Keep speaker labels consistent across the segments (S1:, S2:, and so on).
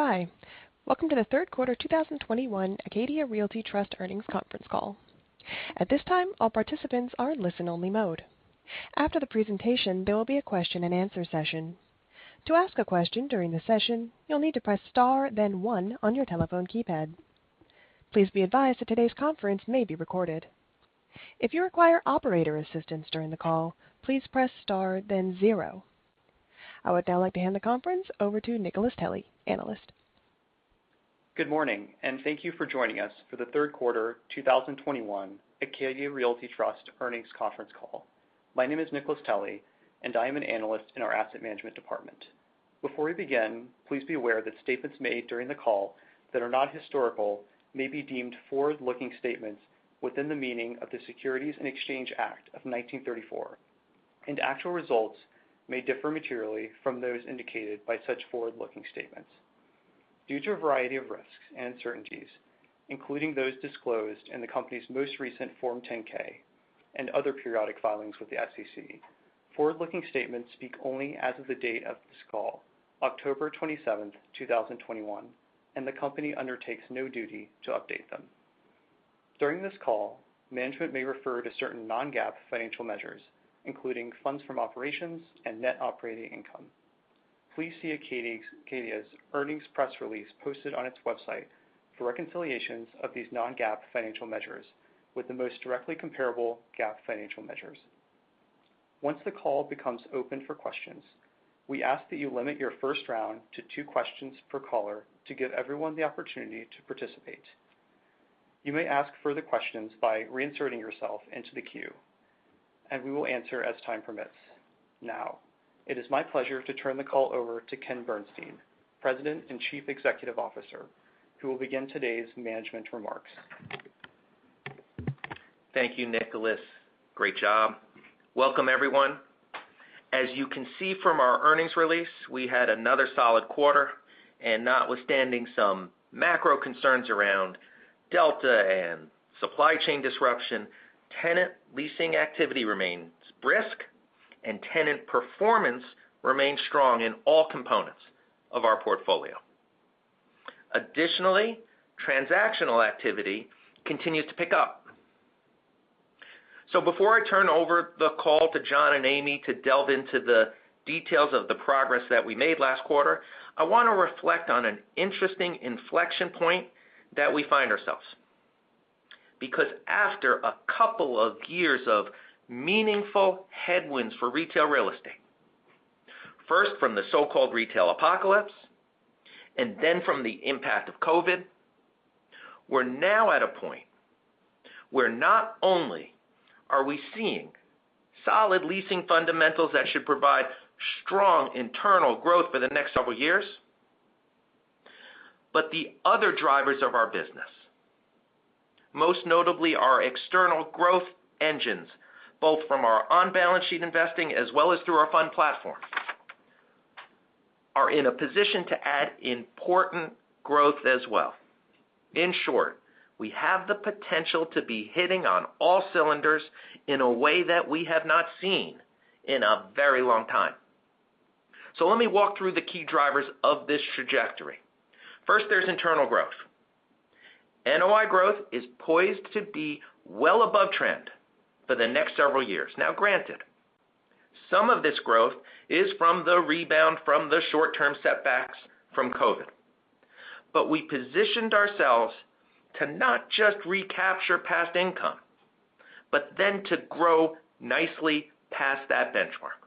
S1: Standing by. Welcome to the third quarter 2021 Acadia Realty Trust Earnings Conference Call. At this time, all participants are in listen-only mode. After the presentation, there will be a question and answer session. To ask a question during the session, you'll need to press Star, then one on your telephone keypad. Please be advised that today's conference may be recorded. If you require operator assistance during the call, please press Star, then zero. I would now like to hand the conference over to Nicholas Talley, Analyst.
S2: Good morning, and thank you for joining us for the third quarter 2021 Acadia Realty Trust Earnings conference call. My name is Nicholas Talley, and I am an analyst in our asset management department. Before we begin, please be aware that statements made during the call that are not historical may be deemed forward-looking statements within the meaning of the Securities Exchange Act of 1934, and actual results may differ materially from those indicated by such forward-looking statements due to a variety of risks and uncertainties, including those disclosed in the company's most recent Form 10-K and other periodic filings with the SEC. Forward-looking statements speak only as of the date of this call, October 27, 2021, and the company undertakes no duty to update them. During this call, management may refer to certain non-GAAP financial measures, including funds from operations and net operating income. Please see Acadia's earnings press release posted on its website for reconciliations of these non-GAAP financial measures with the most directly comparable GAAP financial measures. Once the call becomes open for questions, we ask that you limit your first round to two questions per caller to give everyone the opportunity to participate. You may ask further questions by reinserting yourself into the queue, and we will answer as time permits. Now, it is my pleasure to turn the call over to Ken Bernstein, President and Chief Executive Officer, who will begin today's management remarks.
S3: Thank you, Nicholas. Great job. Welcome, everyone. As you can see from our earnings release, we had another solid quarter. Notwithstanding some macro concerns around delta and supply chain disruption, tenant leasing activity remains brisk and tenant performance remains strong in all components of our portfolio. Additionally, transactional activity continues to pick up. Before I turn over the call to John and Amy to delve into the details of the progress that we made last quarter, I want to reflect on an interesting inflection point that we find ourselves. Because after a couple of years of meaningful headwinds for retail real estate, first from the so-called retail apocalypse and then from the impact of Covid, we're now at a point where not only are we seeing solid leasing fundamentals that should provide strong internal growth for the next several years, but the other drivers of our business, most notably our external growth engines, both from our on-balance sheet investing as well as through our fund platform, are in a position to add important growth as well. In short, we have the potential to be hitting on all cylinders in a way that we have not seen in a very long time. Let me walk through the key drivers of this trajectory. First, there's internal growth. NOI growth is poised to be well above trend for the next several years. Now granted, some of this growth is from the rebound from the short term setbacks from Covid, but we positioned ourselves to not just recapture past income, but then to grow nicely past that benchmark.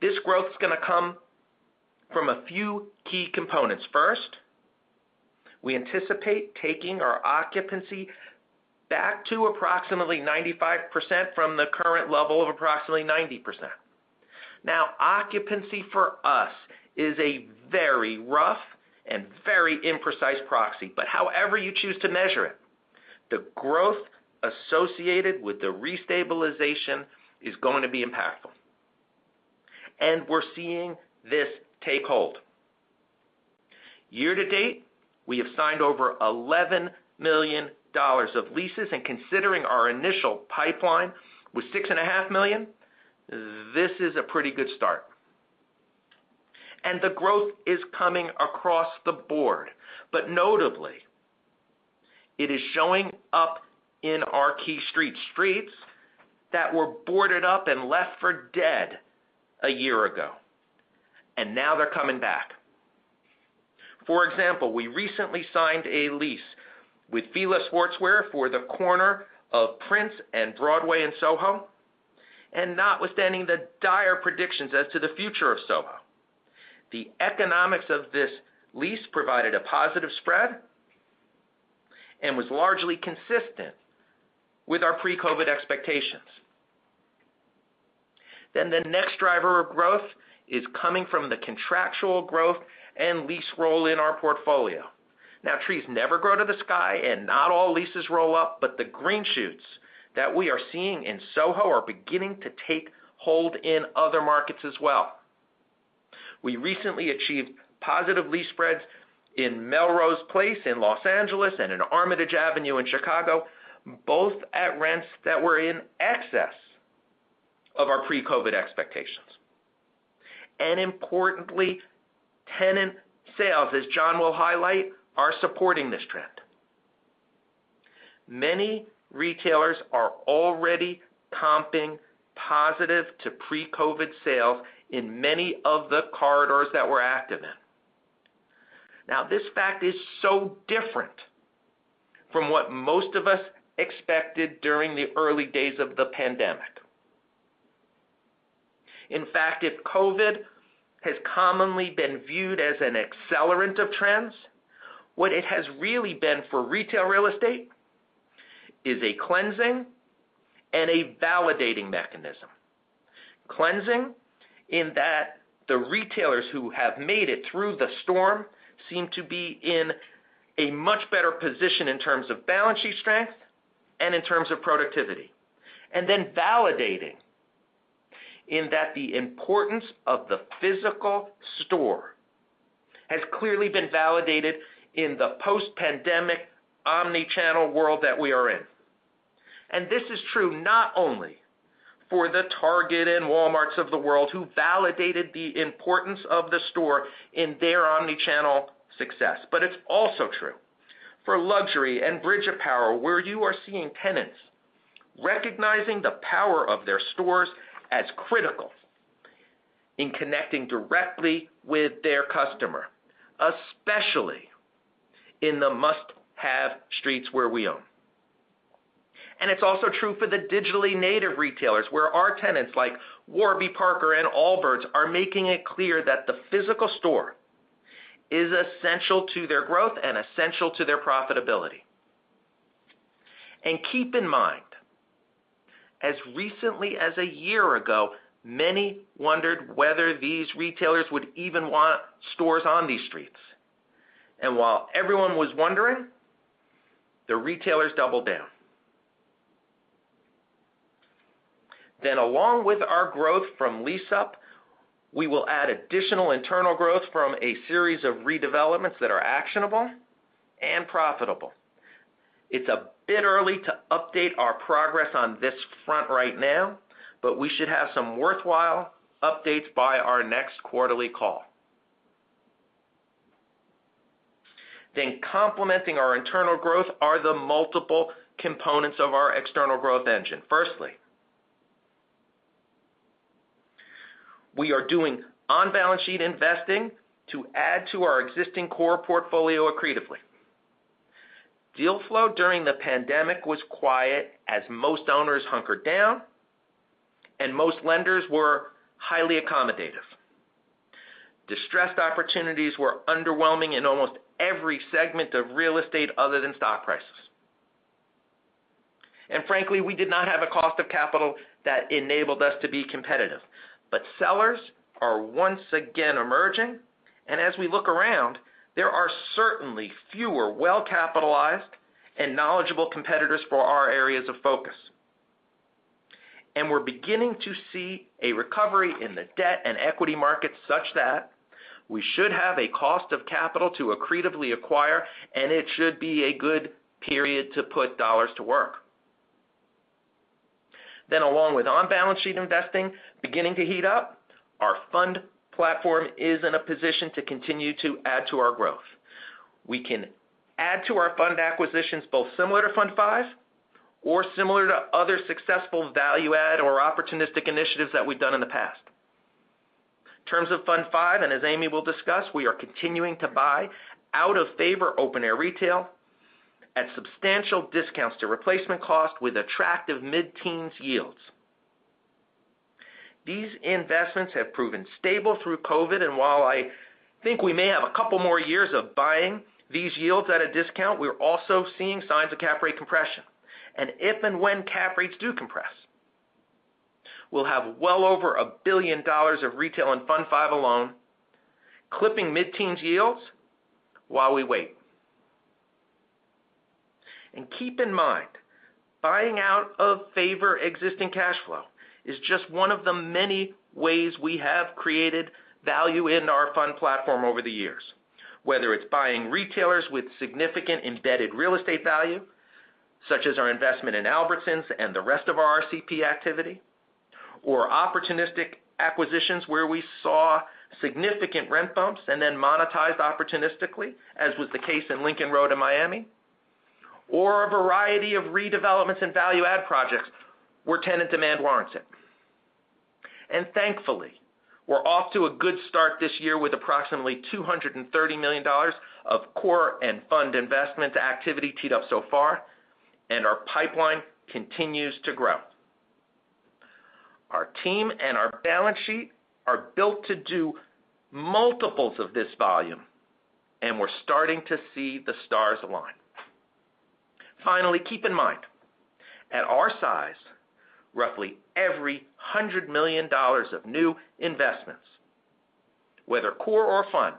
S3: This growth is going to come from a few key components. First, we anticipate taking our occupancy back to approximately 95% from the current level of approximately 90%. Now, occupancy for us is a very rough and very imprecise proxy. But however you choose to measure it, the growth associated with the restabilization is going to be impactful. We're seeing this take hold. Year to date, we have signed over $11 million of leases, and considering our initial pipeline was $6.5 million, this is a pretty good start. The growth is coming across the board. Notably, it is showing up in our key streets that were boarded up and left for dead a year ago, and now they're coming back. For example, we recently signed a lease with Fila Sportswear for the corner of Prince and Broadway in SoHo. Notwithstanding the dire predictions as to the future of SoHo, the economics of this lease provided a positive spread and was largely consistent with our pre-COVID expectations. The next driver of growth is coming from the contractual growth and lease roll in our portfolio. Now, trees never grow to the sky and not all leases roll up, but the green shoots that we are seeing in SoHo are beginning to take hold in other markets as well. We recently achieved positive lease spreads in Melrose Place in Los Angeles and in Armitage Avenue in Chicago, both at rents that were in excess of our pre-COVID expectations. Importantly, tenant sales, as John will highlight, are supporting this trend. Many retailers are already comping positive to pre-COVID sales in many of the corridors that we're active in. Now, this fact is so different from what most of us expected during the early days of the pandemic. In fact, if COVID has commonly been viewed as an accelerant of trends, what it has really been for retail real estate is a cleansing and a validating mechanism. Cleansing in that the retailers who have made it through the storm seem to be in a much better position in terms of balance sheet strength and in terms of productivity. Validating that the importance of the physical store has clearly been validated in the post-pandemic omni-channel world that we are in. This is true not only for the Target and Walmarts of the world, who validated the importance of the store in their omni-channel success. It's also true for luxury and bridge apparel, where you are seeing tenants recognizing the power of their stores as critical in connecting directly with their customer, especially in the must-have streets where we own. It's also true for the digitally native retailers, where our tenants like Warby Parker and Allbirds are making it clear that the physical store is essential to their growth and essential to their profitability. Keep in mind, as recently as a year ago, many wondered whether these retailers would even want stores on these streets. While everyone was wondering, the retailers doubled down. Along with our growth from lease-up, we will add additional internal growth from a series of redevelopments that are actionable and profitable. It's a bit early to update our progress on this front right now, but we should have some worthwhile updates by our next quarterly call. Complementing our internal growth are the multiple components of our external growth engine. Firstly, we are doing on-balance sheet investing to add to our existing core portfolio accretively. Deal flow during the pandemic was quiet as most owners hunkered down, and most lenders were highly accommodative. Distressed opportunities were underwhelming in almost every segment of real estate other than stock prices. Frankly, we did not have a cost of capital that enabled us to be competitive. Sellers are once again emerging, and as we look around, there are certainly fewer well-capitalized and knowledgeable competitors for our areas of focus. We're beginning to see a recovery in the debt and equity markets such that we should have a cost of capital to accretively acquire, and it should be a good period to put dollars to work. Along with on-balance sheet investing beginning to heat up, our fund platform is in a position to continue to add to our growth. We can add to our fund acquisitions both similar to Fund V or similar to other successful value add or opportunistic initiatives that we've done in the past. In terms of Fund V, and as Amy will discuss, we are continuing to buy out-of-favor open-air retail at substantial discounts to replacement cost with attractive mid-teens yields. These investments have proven stable through COVID, and while I think we may have a couple more years of buying these yields at a discount, we're also seeing signs of cap rate compression. If and when cap rates do compress, we'll have well over $1 billion of retail in Fund V alone, clipping mid-teens yields while we wait. Keep in mind, buying out-of-favor existing cash flow is just one of the many ways we have created value in our fund platform over the years. Whether it's buying retailers with significant embedded real estate value, such as our investment in Albertsons and the rest of our RCP activity, or opportunistic acquisitions where we saw significant rent bumps and then monetized opportunistically, as was the case in Lincoln Road in Miami, or a variety of redevelopments and value add projects where tenant demand warrants it. Thankfully, we're off to a good start this year with approximately $230 million of core and fund investment activity teed up so far, and our pipeline continues to grow. Our team and our balance sheet are built to do multiples of this volume, and we're starting to see the stars align. Finally, keep in mind, at our size, roughly every $100 million of new investments, whether core or fund,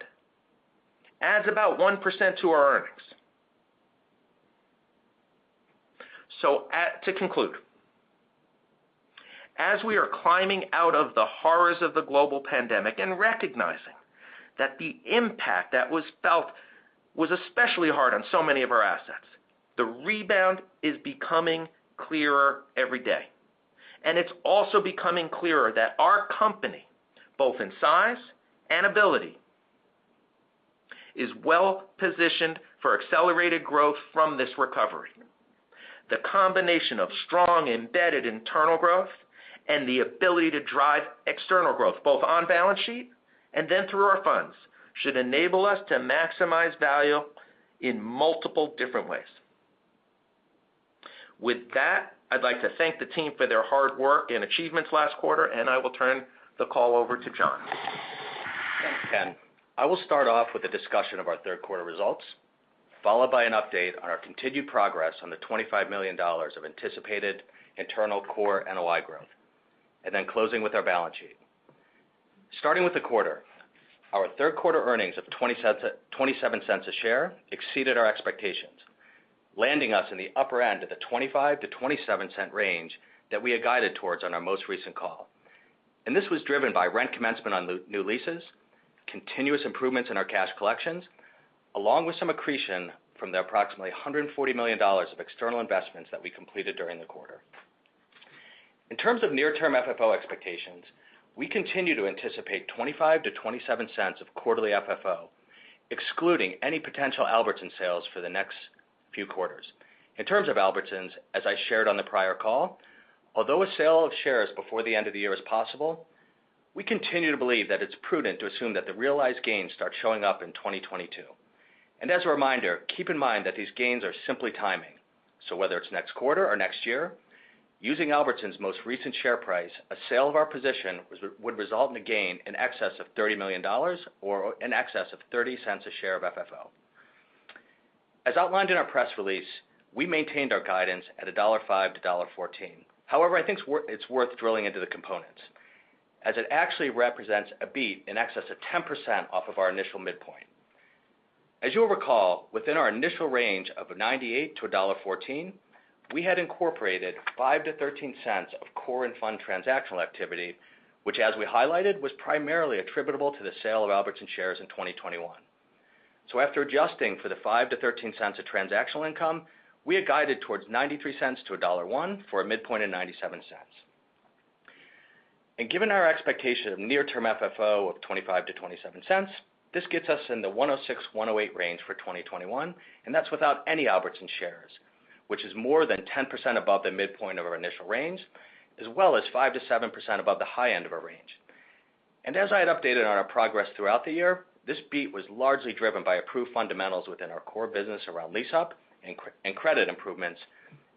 S3: adds about 1% to our earnings. To conclude, as we are climbing out of the horrors of the global pandemic and recognizing that the impact that was felt was especially hard on so many of our assets, the rebound is becoming clearer every day. It's also becoming clearer that our company, both in size and ability, is well-positioned for accelerated growth from this recovery. The combination of strong embedded internal growth and the ability to drive external growth, both on balance sheet and then through our funds, should enable us to maximize value in multiple different ways. With that, I'd like to thank the team for their hard work and achievements last quarter, and I will turn the call over to John.
S4: Thanks, Ken. I will start off with a discussion of our third quarter results, followed by an update on our continued progress on the $25 million of anticipated internal core NOI growth, and then closing with our balance sheet. Starting with the quarter, our third quarter earnings of $0.27 a share exceeded our expectations, landing us in the upper end of the $0.25-$0.27 range that we had guided towards on our most recent call. This was driven by rent commencement on new leases, continuous improvements in our cash collections, along with some accretion from the approximately $140 million of external investments that we completed during the quarter. In terms of near-term FFO expectations, we continue to anticipate $0.25-$0.27 of quarterly FFO, excluding any potential Albertsons sales for the next few quarters. In terms of Albertsons, as I shared on the prior call, although a sale of shares before the end of the year is possible, we continue to believe that it's prudent to assume that the realized gains start showing up in 2022. As a reminder, keep in mind that these gains are simply timing. Whether it's next quarter or next year, using Albertsons' most recent share price, a sale of our position would result in a gain in excess of $30 million or in excess of $0.30 a share of FFO. As outlined in our press release, we maintained our guidance at $1.05-$1.14. However, I think it's worth drilling into the components as it actually represents a beat in excess of 10% off of our initial midpoint. As you'll recall, within our initial range of $0.98-$1.14, we had incorporated $0.05-$0.13 of core and fund transactional activity, which as we highlighted, was primarily attributable to the sale of Albertsons shares in 2021. After adjusting for the $0.05-$0.13 of transactional income, we had guided towards $0.93-$1.01 for a midpoint of $0.97. Given our expectation of near-term FFO of $0.25-$0.27, this gets us in the $1.06-$1.08 range for 2021, and that's without any Albertsons shares, which is more than 10% above the midpoint of our initial range, as well as 5%-7% above the high end of our range. As I had updated on our progress throughout the year, this beat was largely driven by approved fundamentals within our core business around lease up and credit improvements,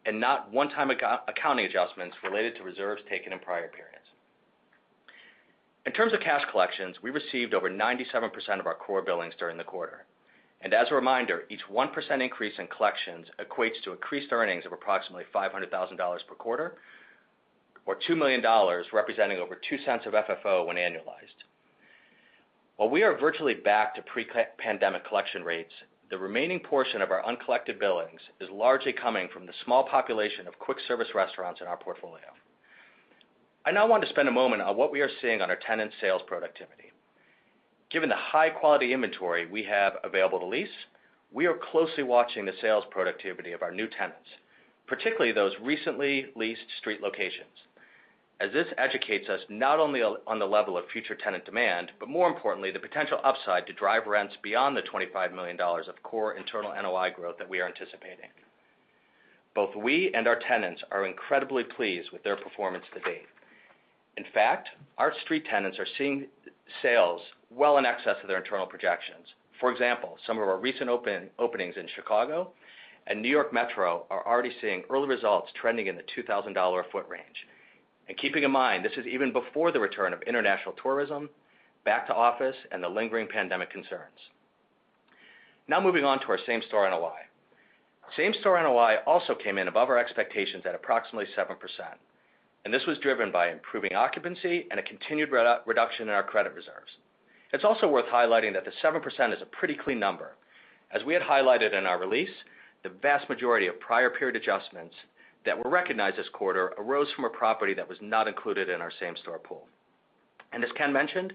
S4: and not one-time accounting adjustments related to reserves taken in prior periods. In terms of cash collections, we received over 97% of our core billings during the quarter. As a reminder, each 1% increase in collections equates to increased earnings of approximately $500,000 per quarter or $2 million, representing over $0.02 of FFO when annualized. While we are virtually back to pre-pandemic collection rates, the remaining portion of our uncollected billings is largely coming from the small population of quick service restaurants in our portfolio. I now want to spend a moment on what we are seeing on our tenant sales productivity. Given the high-quality inventory we have available to lease, we are closely watching the sales productivity of our new tenants, particularly those recently leased street locations, as this educates us not only on the level of future tenant demand, but more importantly, the potential upside to drive rents beyond the $25 million of core internal NOI growth that we are anticipating. Both we and our tenants are incredibly pleased with their performance to date. In fact, our street tenants are seeing sales well in excess of their internal projections. For example, some of our recent openings in Chicago and New York Metro are already seeing early results trending in the $2,000 a foot range. Keeping in mind, this is even before the return of international tourism back to office and the lingering pandemic concerns. Now moving on to our same-store NOI. Same-store NOI also came in above our expectations at approximately 7%, and this was driven by improving occupancy and a continued reduction in our credit reserves. It's also worth highlighting that the 7% is a pretty clean number. As we had highlighted in our release, the vast majority of prior period adjustments that were recognized this quarter arose from a property that was not included in our same-store pool. As Ken mentioned,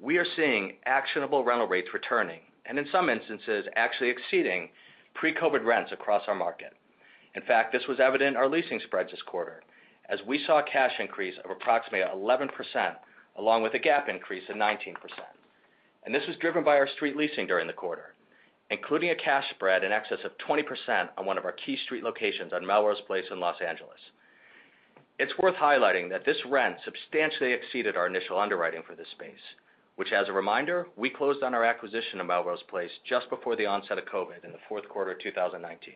S4: we are seeing actionable rental rates returning, and in some instances, actually exceeding pre-COVID rents across our market. In fact, this was evident in our leasing spreads this quarter, as we saw a cash increase of approximately 11%, along with a GAAP increase of 19%. This was driven by our street leasing during the quarter, including a cash spread in excess of 20% on one of our key street locations on Melrose Place in Los Angeles. It's worth highlighting that this rent substantially exceeded our initial underwriting for this space, which as a reminder, we closed on our acquisition of Melrose Place just before the onset of COVID in the fourth quarter of 2019.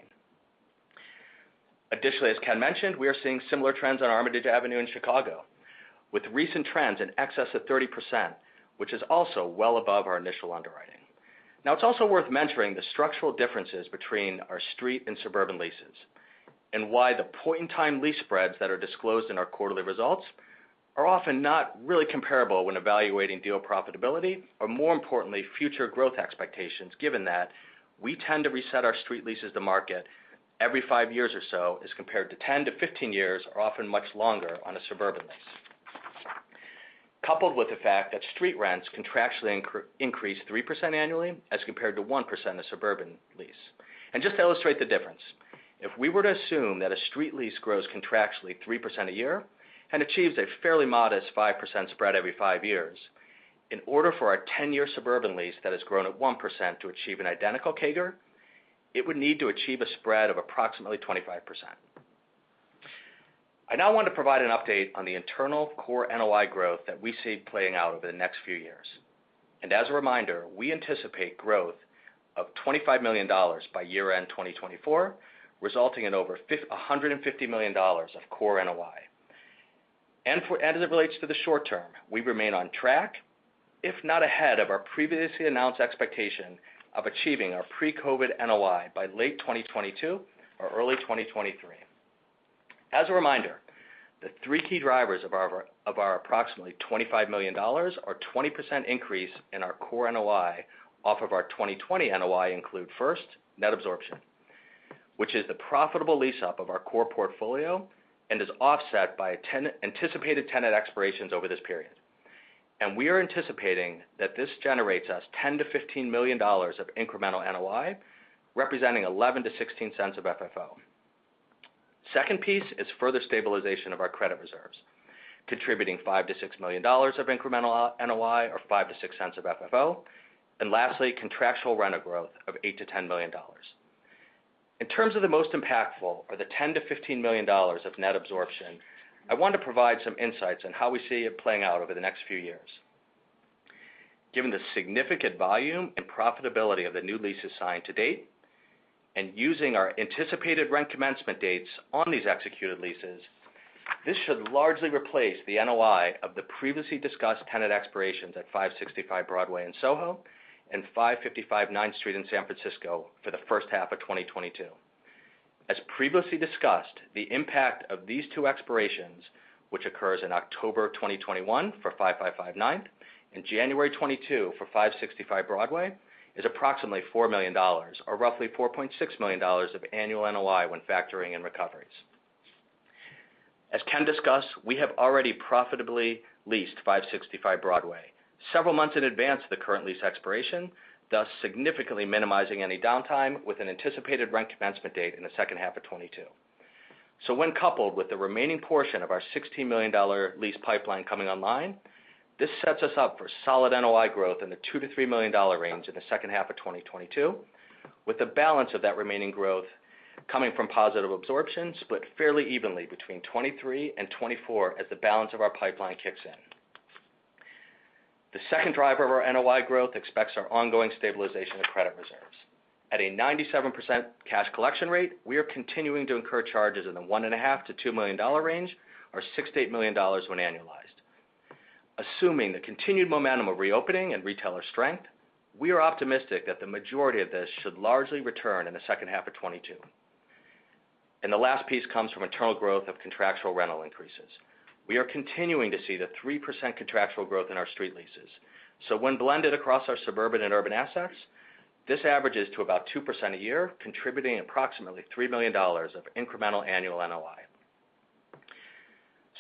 S4: Additionally, as Ken mentioned, we are seeing similar rents on Armitage Avenue in Chicago with recent rents in excess of 30%, which is also well above our initial underwriting. Now, it's also worth mentioning the structural differences between our street and suburban leases and why the point-in-time lease spreads that are disclosed in our quarterly results are often not really comparable when evaluating deal profitability, or more importantly, future growth expectations, given that we tend to reset our street leases to market every 5 years or so as compared to 10-15 years, or often much longer on a suburban lease. Coupled with the fact that street rents contractually increase 3% annually as compared to 1% on suburban lease. Just to illustrate the difference, if we were to assume that a street lease grows contractually 3% a year and achieves a fairly modest 5% spread every five years, in order for our 10-year suburban lease that has grown at 1% to achieve an identical CAGR, it would need to achieve a spread of approximately 25%. I now want to provide an update on the internal core NOI growth that we see playing out over the next few years. As a reminder, we anticipate growth of $25 million by year-end 2024, resulting in over $150 million of core NOI. As it relates to the short term, we remain on track, if not ahead of our previously announced expectation of achieving our pre-COVID NOI by late 2022 or early 2023. As a reminder, the three key drivers of our approximately $25 million are 20% increase in our core NOI off of our 2020 NOI include first, net absorption, which is the profitable lease up of our core portfolio and is offset by ten anticipated tenant expirations over this period. We are anticipating that this generates us $10 million-$15 million of incremental NOI, representing $0.11-$0.16 of FFO. Second piece is further stabilization of our credit reserves, contributing $5 million-$6 million of incremental NOI, or $0.05-$0.06 of FFO, and lastly, contractual rental growth of $8 million-$10 million. In terms of the most impactful are the $10 million-$15 million of net absorption, I want to provide some insights on how we see it playing out over the next few years. Given the significant volume and profitability of the new leases signed to date, and using our anticipated rent commencement dates on these executed leases, this should largely replace the NOI of the previously discussed tenant expirations at 565 Broadway in Soho and 555 9th Street in San Francisco for the first half of 2022. As previously discussed, the impact of these two expirations, which occurs in October 2021 for 555 9th and January 2022 for 565 Broadway, is approximately $4 million or roughly $4.6 million of annual NOI when factoring in recoveries. As Ken discussed, we have already profitably leased 565 Broadway several months in advance of the current lease expiration, thus significantly minimizing any downtime with an anticipated rent commencement date in the second half of 2022. When coupled with the remaining portion of our $16 million lease pipeline coming online, this sets us up for solid NOI growth in the $2 million-$3 million range in the second half of 2022, with the balance of that remaining growth coming from positive absorption, split fairly evenly between 2023 and 2024 as the balance of our pipeline kicks in. The second driver of our NOI growth is our ongoing stabilization of credit reserves. At a 97% cash collection rate, we are continuing to incur charges in the $1.5 million-$2 million range or $6 million-$8 million when annualized. Assuming the continued momentum of reopening and retailer strength, we are optimistic that the majority of this should largely return in the second half of 2022. The last piece comes from internal growth of contractual rental increases. We are continuing to see the 3% contractual growth in our street leases. When blended across our suburban and urban assets, this averages to about 2% a year, contributing approximately $3 million of incremental annual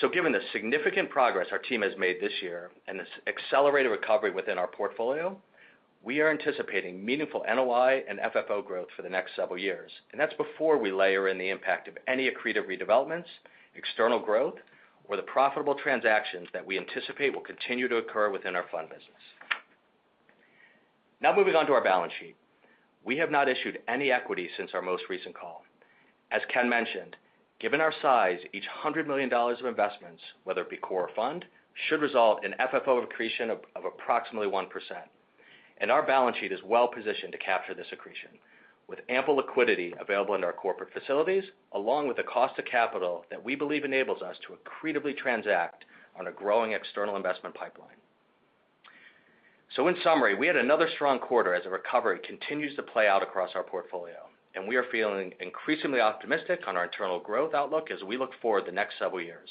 S4: NOI. Given the significant progress our team has made this year and this accelerated recovery within our portfolio, we are anticipating meaningful NOI and FFO growth for the next several years. That's before we layer in the impact of any accretive redevelopments, external growth, or the profitable transactions that we anticipate will continue to occur within our fund business. Now moving on to our balance sheet. We have not issued any equity since our most recent call. As Ken mentioned, given our size, each $100 million of investments, whether it be core fund, should result in FFO accretion of approximately 1%. Our balance sheet is well positioned to capture this accretion, with ample liquidity available in our corporate facilities, along with the cost of capital that we believe enables us to accretively transact on a growing external investment pipeline. In summary, we had another strong quarter as the recovery continues to play out across our portfolio, and we are feeling increasingly optimistic on our internal growth outlook as we look forward to the next several years.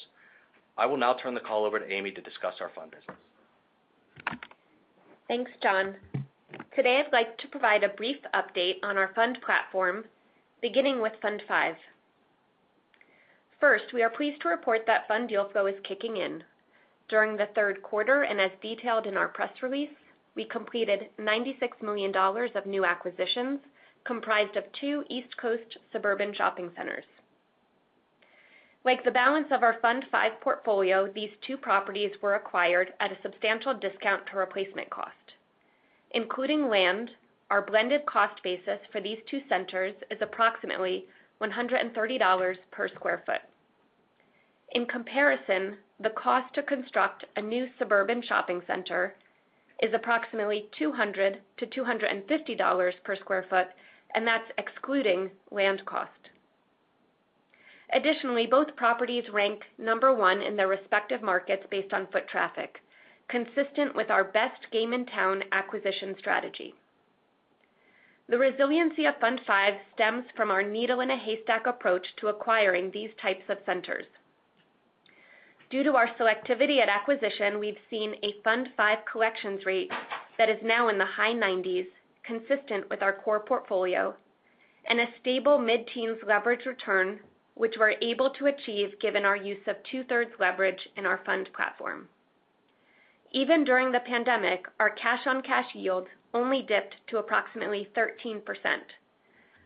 S4: I will now turn the call over to Amy to discuss our fund business.
S5: Thanks, John. Today, I'd like to provide a brief update on our fund platform, beginning with Fund V. First, we are pleased to report that fund deal flow is kicking in. During the third quarter, and as detailed in our press release, we completed $96 million of new acquisitions comprised of two East Coast suburban shopping centers. Like the balance of our Fund V portfolio, these two properties were acquired at a substantial discount to replacement cost. Including land, our blended cost basis for these two centers is approximately $130 per sq ft. In comparison, the cost to construct a new suburban shopping center is approximately $200-$250 per sq ft, and that's excluding land cost. Additionally, both properties rank number one in their respective markets based on foot traffic, consistent with our best game in town acquisition strategy. The resiliency of Fund V stems from our needle in a haystack approach to acquiring these types of centers. Due to our selectivity at acquisition, we've seen a Fund V collections rate that is now in the high 90s, consistent with our core portfolio and a stable mid-teens leverage return, which we're able to achieve given our use of two-thirds leverage in our fund platform. Even during the pandemic, our cash-on-cash yield only dipped to approximately 13%.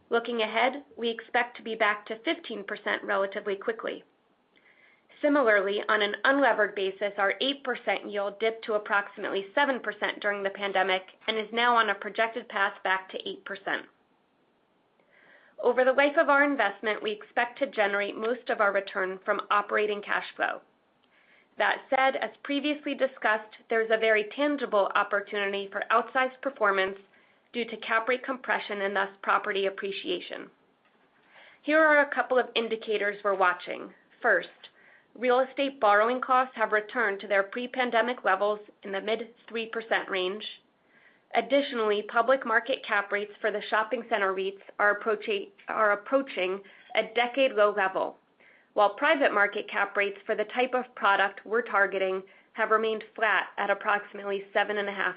S5: Looking ahead, we expect to be back to 15% relatively quickly. Similarly, on an unlevered basis, our 8% yield dipped to approximately 7% during the pandemic and is now on a projected path back to 8%. Over the life of our investment, we expect to generate most of our return from operating cash flow. That said, as previously discussed, there's a very tangible opportunity for outsized performance due to cap rate compression and thus property appreciation. Here are a couple of indicators we're watching. First, real estate borrowing costs have returned to their pre-pandemic levels in the mid-3% range. Additionally, public market cap rates for the shopping center REITs are approaching a decade-low level, while private market cap rates for the type of product we're targeting have remained flat at approximately 7.5%.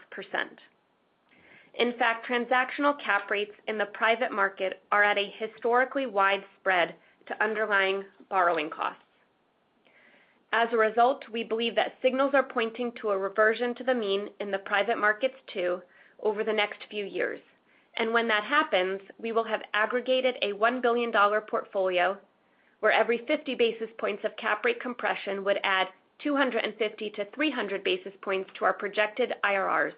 S5: In fact, transactional cap rates in the private market are at a historically wide spread to underlying borrowing costs. As a result, we believe that signals are pointing to a reversion to the mean in the private markets too over the next few years. When that happens, we will have aggregated a $1 billion portfolio where every 50 basis points of cap rate compression would add 250-300 basis points to our projected IRRs,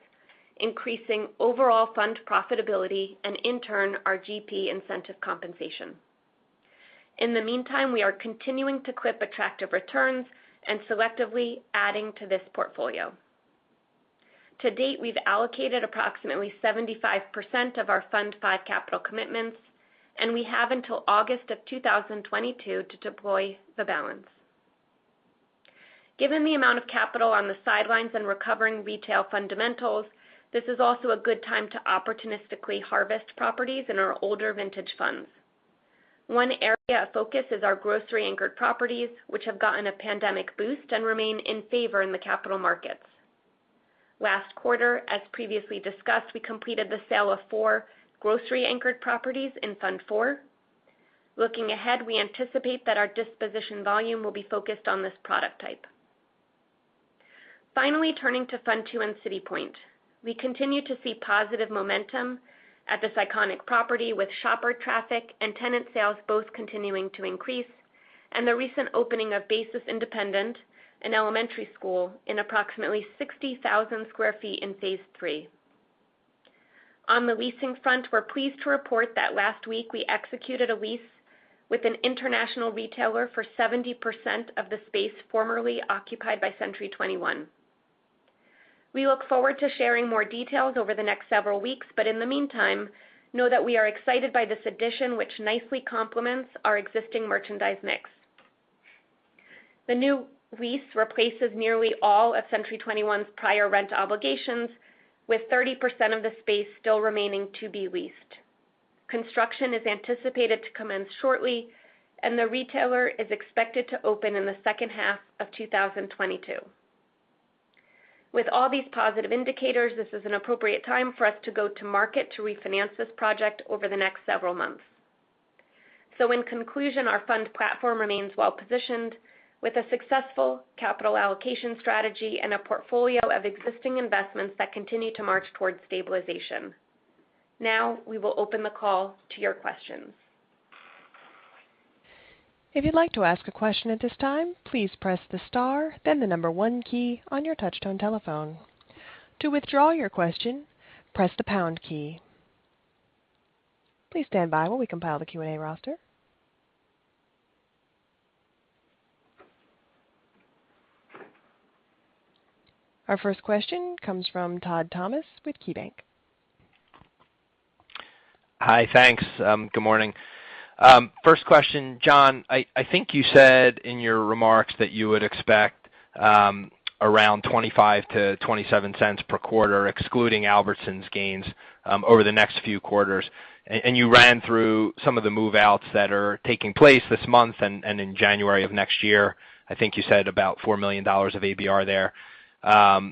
S5: increasing overall fund profitability and in turn, our GP incentive compensation. In the meantime, we are continuing to clip attractive returns and selectively adding to this portfolio. To date, we've allocated approximately 75% of our Fund V capital commitments, and we have until August 2022 to deploy the balance. Given the amount of capital on the sidelines and recovering retail fundamentals, this is also a good time to opportunistically harvest properties in our older vintage funds. One area of focus is our grocery anchored properties, which have gotten a pandemic boost and remain in favor in the capital markets. Last quarter, as previously discussed, we completed the sale of four grocery anchored properties in Fund IV. Looking ahead, we anticipate that our disposition volume will be focused on this product type. Finally, turning to Fund II and City Point. We continue to see positive momentum at this iconic property with shopper traffic and tenant sales both continuing to increase and the recent opening of BASIS Independent, an elementary school in approximately 60,000 sq ft in phase three. On the leasing front, we're pleased to report that last week we executed a lease with an international retailer for 70% of the space formerly occupied by Century 21. We look forward to sharing more details over the next several weeks, but in the meantime, know that we are excited by this addition, which nicely complements our existing merchandise mix. The new lease replaces nearly all of Century 21's prior rent obligations, with 30% of the space still remaining to be leased. Construction is anticipated to commence shortly, and the retailer is expected to open in the second half of 2022. With all these positive indicators, this is an appropriate time for us to go to market to refinance this project over the next several months. In conclusion, our fund platform remains well-positioned with a successful capital allocation strategy and a portfolio of existing investments that continue to march towards stabilization. Now, we will open the call to your questions.
S1: Our first question comes from Todd Thomas with KeyBanc.
S6: Hi. Thanks. Good morning. First question, John, I think you said in your remarks that you would expect around $0.25-$0.27 per quarter, excluding Albertsons gains, over the next few quarters. You ran through some of the move-outs that are taking place this month and in January of next year. I think you said about $4 million of ABR there.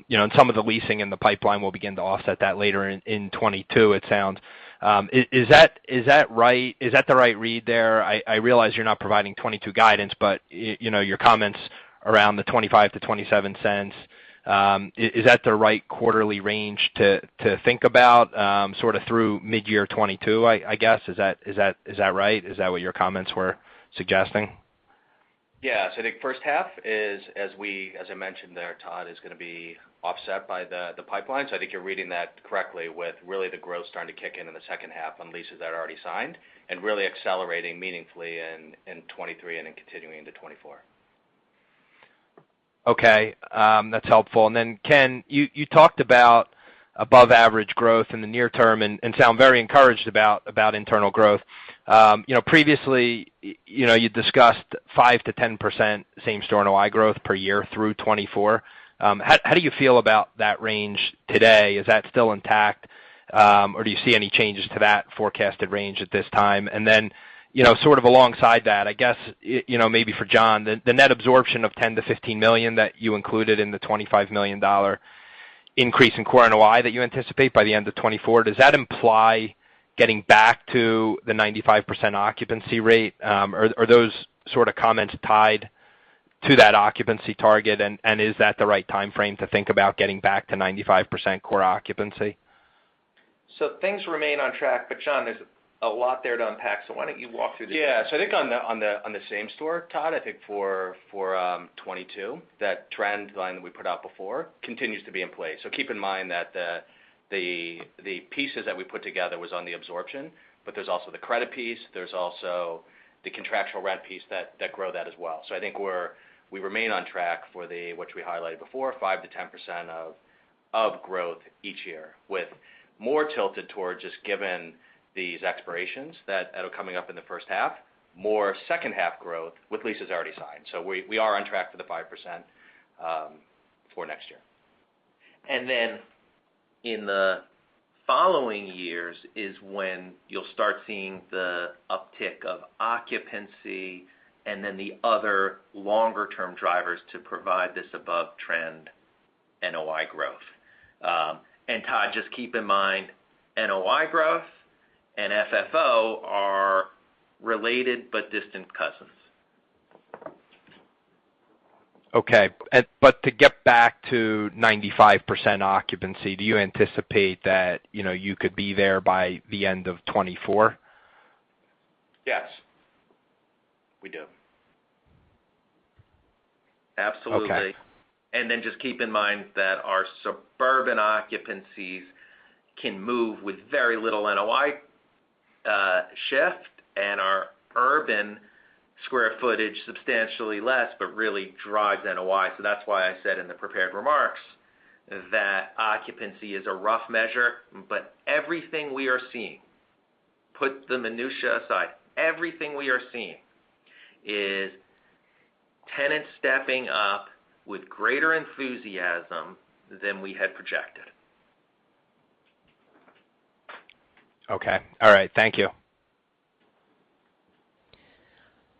S6: You know, and some of the leasing in the pipeline will begin to offset that later in 2022, it sounds. Is that right? Is that the right read there? I realize you're not providing 2022 guidance, but you know, your comments around the $0.25-$0.27, is that the right quarterly range to think about, sort of through midyear 2022, I guess? Is that right? Is that what your comments were suggesting?
S4: Yes. I think first half is, as we, as I mentioned there, Todd, is gonna be offset by the pipeline. I think you're reading that correctly with really the growth starting to kick in the second half on leases that are already signed and really accelerating meaningfully in 2023 and then continuing into 2024.
S6: Okay. That's helpful. Ken, you talked about above average growth in the near term and sound very encouraged about internal growth. You know, previously, you know, you discussed 5%-10% same-store NOI growth per year through 2024. How do you feel about that range today? Is that still intact? Or do you see any changes to that forecasted range at this time? You know, sort of alongside that, I guess, you know, maybe for John, the net absorption of $10 million-$15 million that you included in the $25 million increase in core NOI that you anticipate by the end of 2024, does that imply getting back to the 95% occupancy rate? Are those sort of comments tied to that occupancy target, and is that the right time frame to think about getting back to 95% core occupancy?
S3: Things remain on track, but John, there's a lot there to unpack, so why don't you walk through this.
S4: Yeah. I think on the same store, Todd, I think for 2022, that trend line that we put out before continues to be in play. Keep in mind that the pieces that we put together was on the absorption, but there's also the credit piece, there's also the contractual rent piece that grow that as well. I think we remain on track for the, which we highlighted before, 5%-10% growth each year, with more tilted towards just given these expirations that are coming up in the first half, more second half growth with leases already signed. We are on track for the 5% for next year.
S3: Then in the following years is when you'll start seeing the uptick of occupancy and then the other longer term drivers to provide this above trend NOI growth. Todd, just keep in mind, NOI growth and FFO are related but distant cousins.
S6: Okay, to get back to 95% occupancy, do you anticipate that, you know, you could be there by the end of 2024?
S4: Yes. We do.
S3: Absolutely.
S6: Okay.
S3: Just keep in mind that our suburban occupancies can move with very little NOI shift, and our urban square footage substantially less, but really drives NOI. That's why I said in the prepared remarks that occupancy is a rough measure, but everything we are seeing, put the minutiae aside, everything we are seeing is tenants stepping up with greater enthusiasm than we had projected.
S6: Okay. All right. Thank you.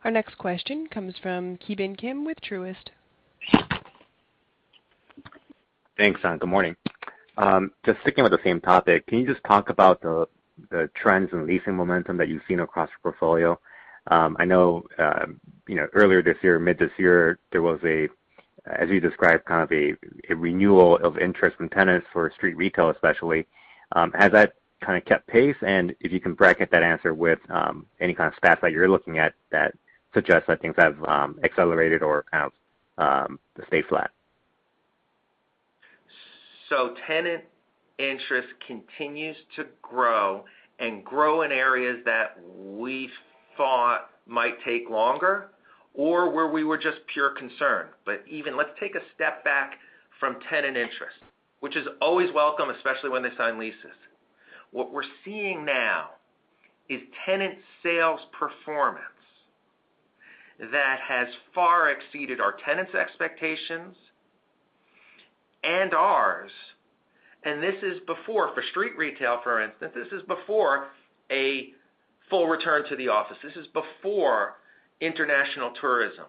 S1: Our next question comes from Ki Bin Kim with Truist.
S7: Thanks. Good morning. Just sticking with the same topic, can you just talk about the trends in leasing momentum that you've seen across your portfolio? I know, you know, earlier this year, mid this year, there was, as you described, kind of a renewal of interest in tenants for street retail, especially. Has that kind of kept pace? If you can bracket that answer with any kind of stats that you're looking at that suggest that things have accelerated or kind of stayed flat.
S3: Tenant interest continues to grow and grow in areas that we thought might take longer or where we were just purely concerned. Even let's take a step back from tenant interest, which is always welcome, especially when they sign leases. What we're seeing now is tenant sales performance that has far exceeded our tenants' expectations and ours. This is before, for street retail, for instance, a full return to the office. This is before international tourism.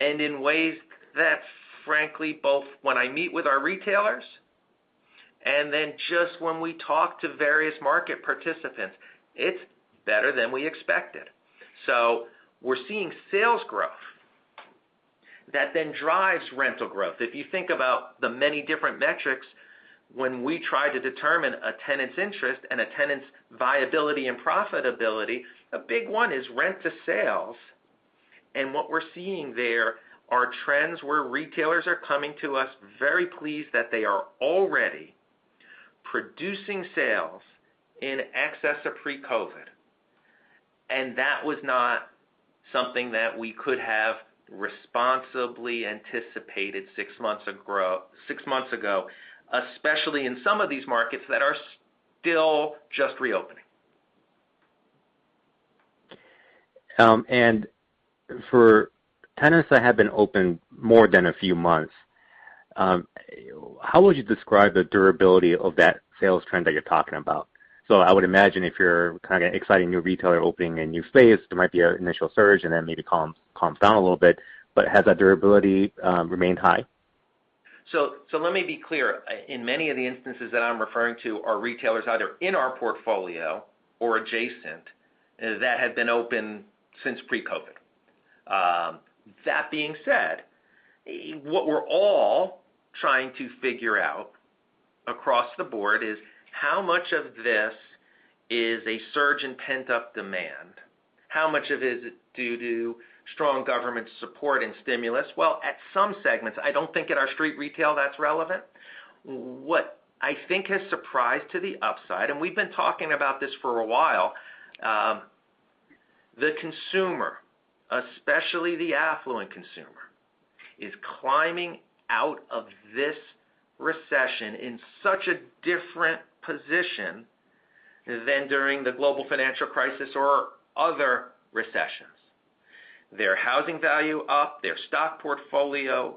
S3: In ways that's frankly both when I meet with our retailers and then just when we talk to various market participants, it's better than we expected. We're seeing sales growth that then drives rental growth. If you think about the many different metrics, when we try to determine a tenant's interest and a tenant's viability and profitability, a big one is rent to sales. What we're seeing there are trends where retailers are coming to us very pleased that they are already producing sales in excess of pre-COVID. That was not something that we could have responsibly anticipated six months ago, especially in some of these markets that are still just reopening.
S7: For tenants that have been open more than a few months, how would you describe the durability of that sales trend that you're talking about? I would imagine if you have an exciting new retailer opening a new space, there might be an initial surge and then maybe calms down a little bit, but has that durability remained high?
S3: Let me be clear. In many of the instances that I'm referring to are retailers either in our portfolio or adjacent, that had been open since pre-COVID. That being said, what we're all trying to figure out across the board is how much of this is a surge in pent-up demand? How much of it is due to strong government support and stimulus? Well, at some segments, I don't think in our street retail that's relevant. What I think has surprised to the upside, and we've been talking about this for a while, the consumer, especially the affluent consumer, is climbing out of this recession in such a different position than during the global financial crisis or other recessions. Their housing value up, their stock portfolio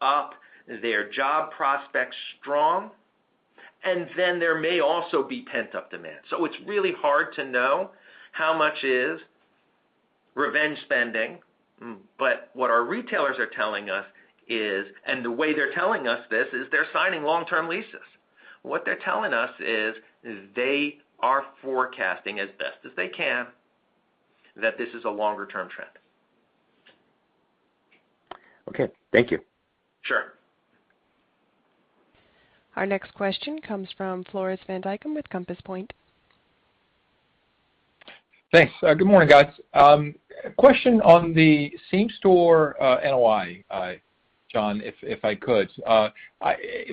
S3: up, their job prospects strong, and then there may also be pent up demand. It's really hard to know how much is revenge spending. What our retailers are telling us is, and the way they're telling us this is they're signing long-term leases. What they're telling us is they are forecasting as best as they can that this is a longer-term trend.
S7: Okay. Thank you.
S3: Sure.
S1: Our next question comes from Floris van Dijkum with Compass Point.
S8: Thanks. Good morning, guys. Question on the same-store NOI, John, if I could.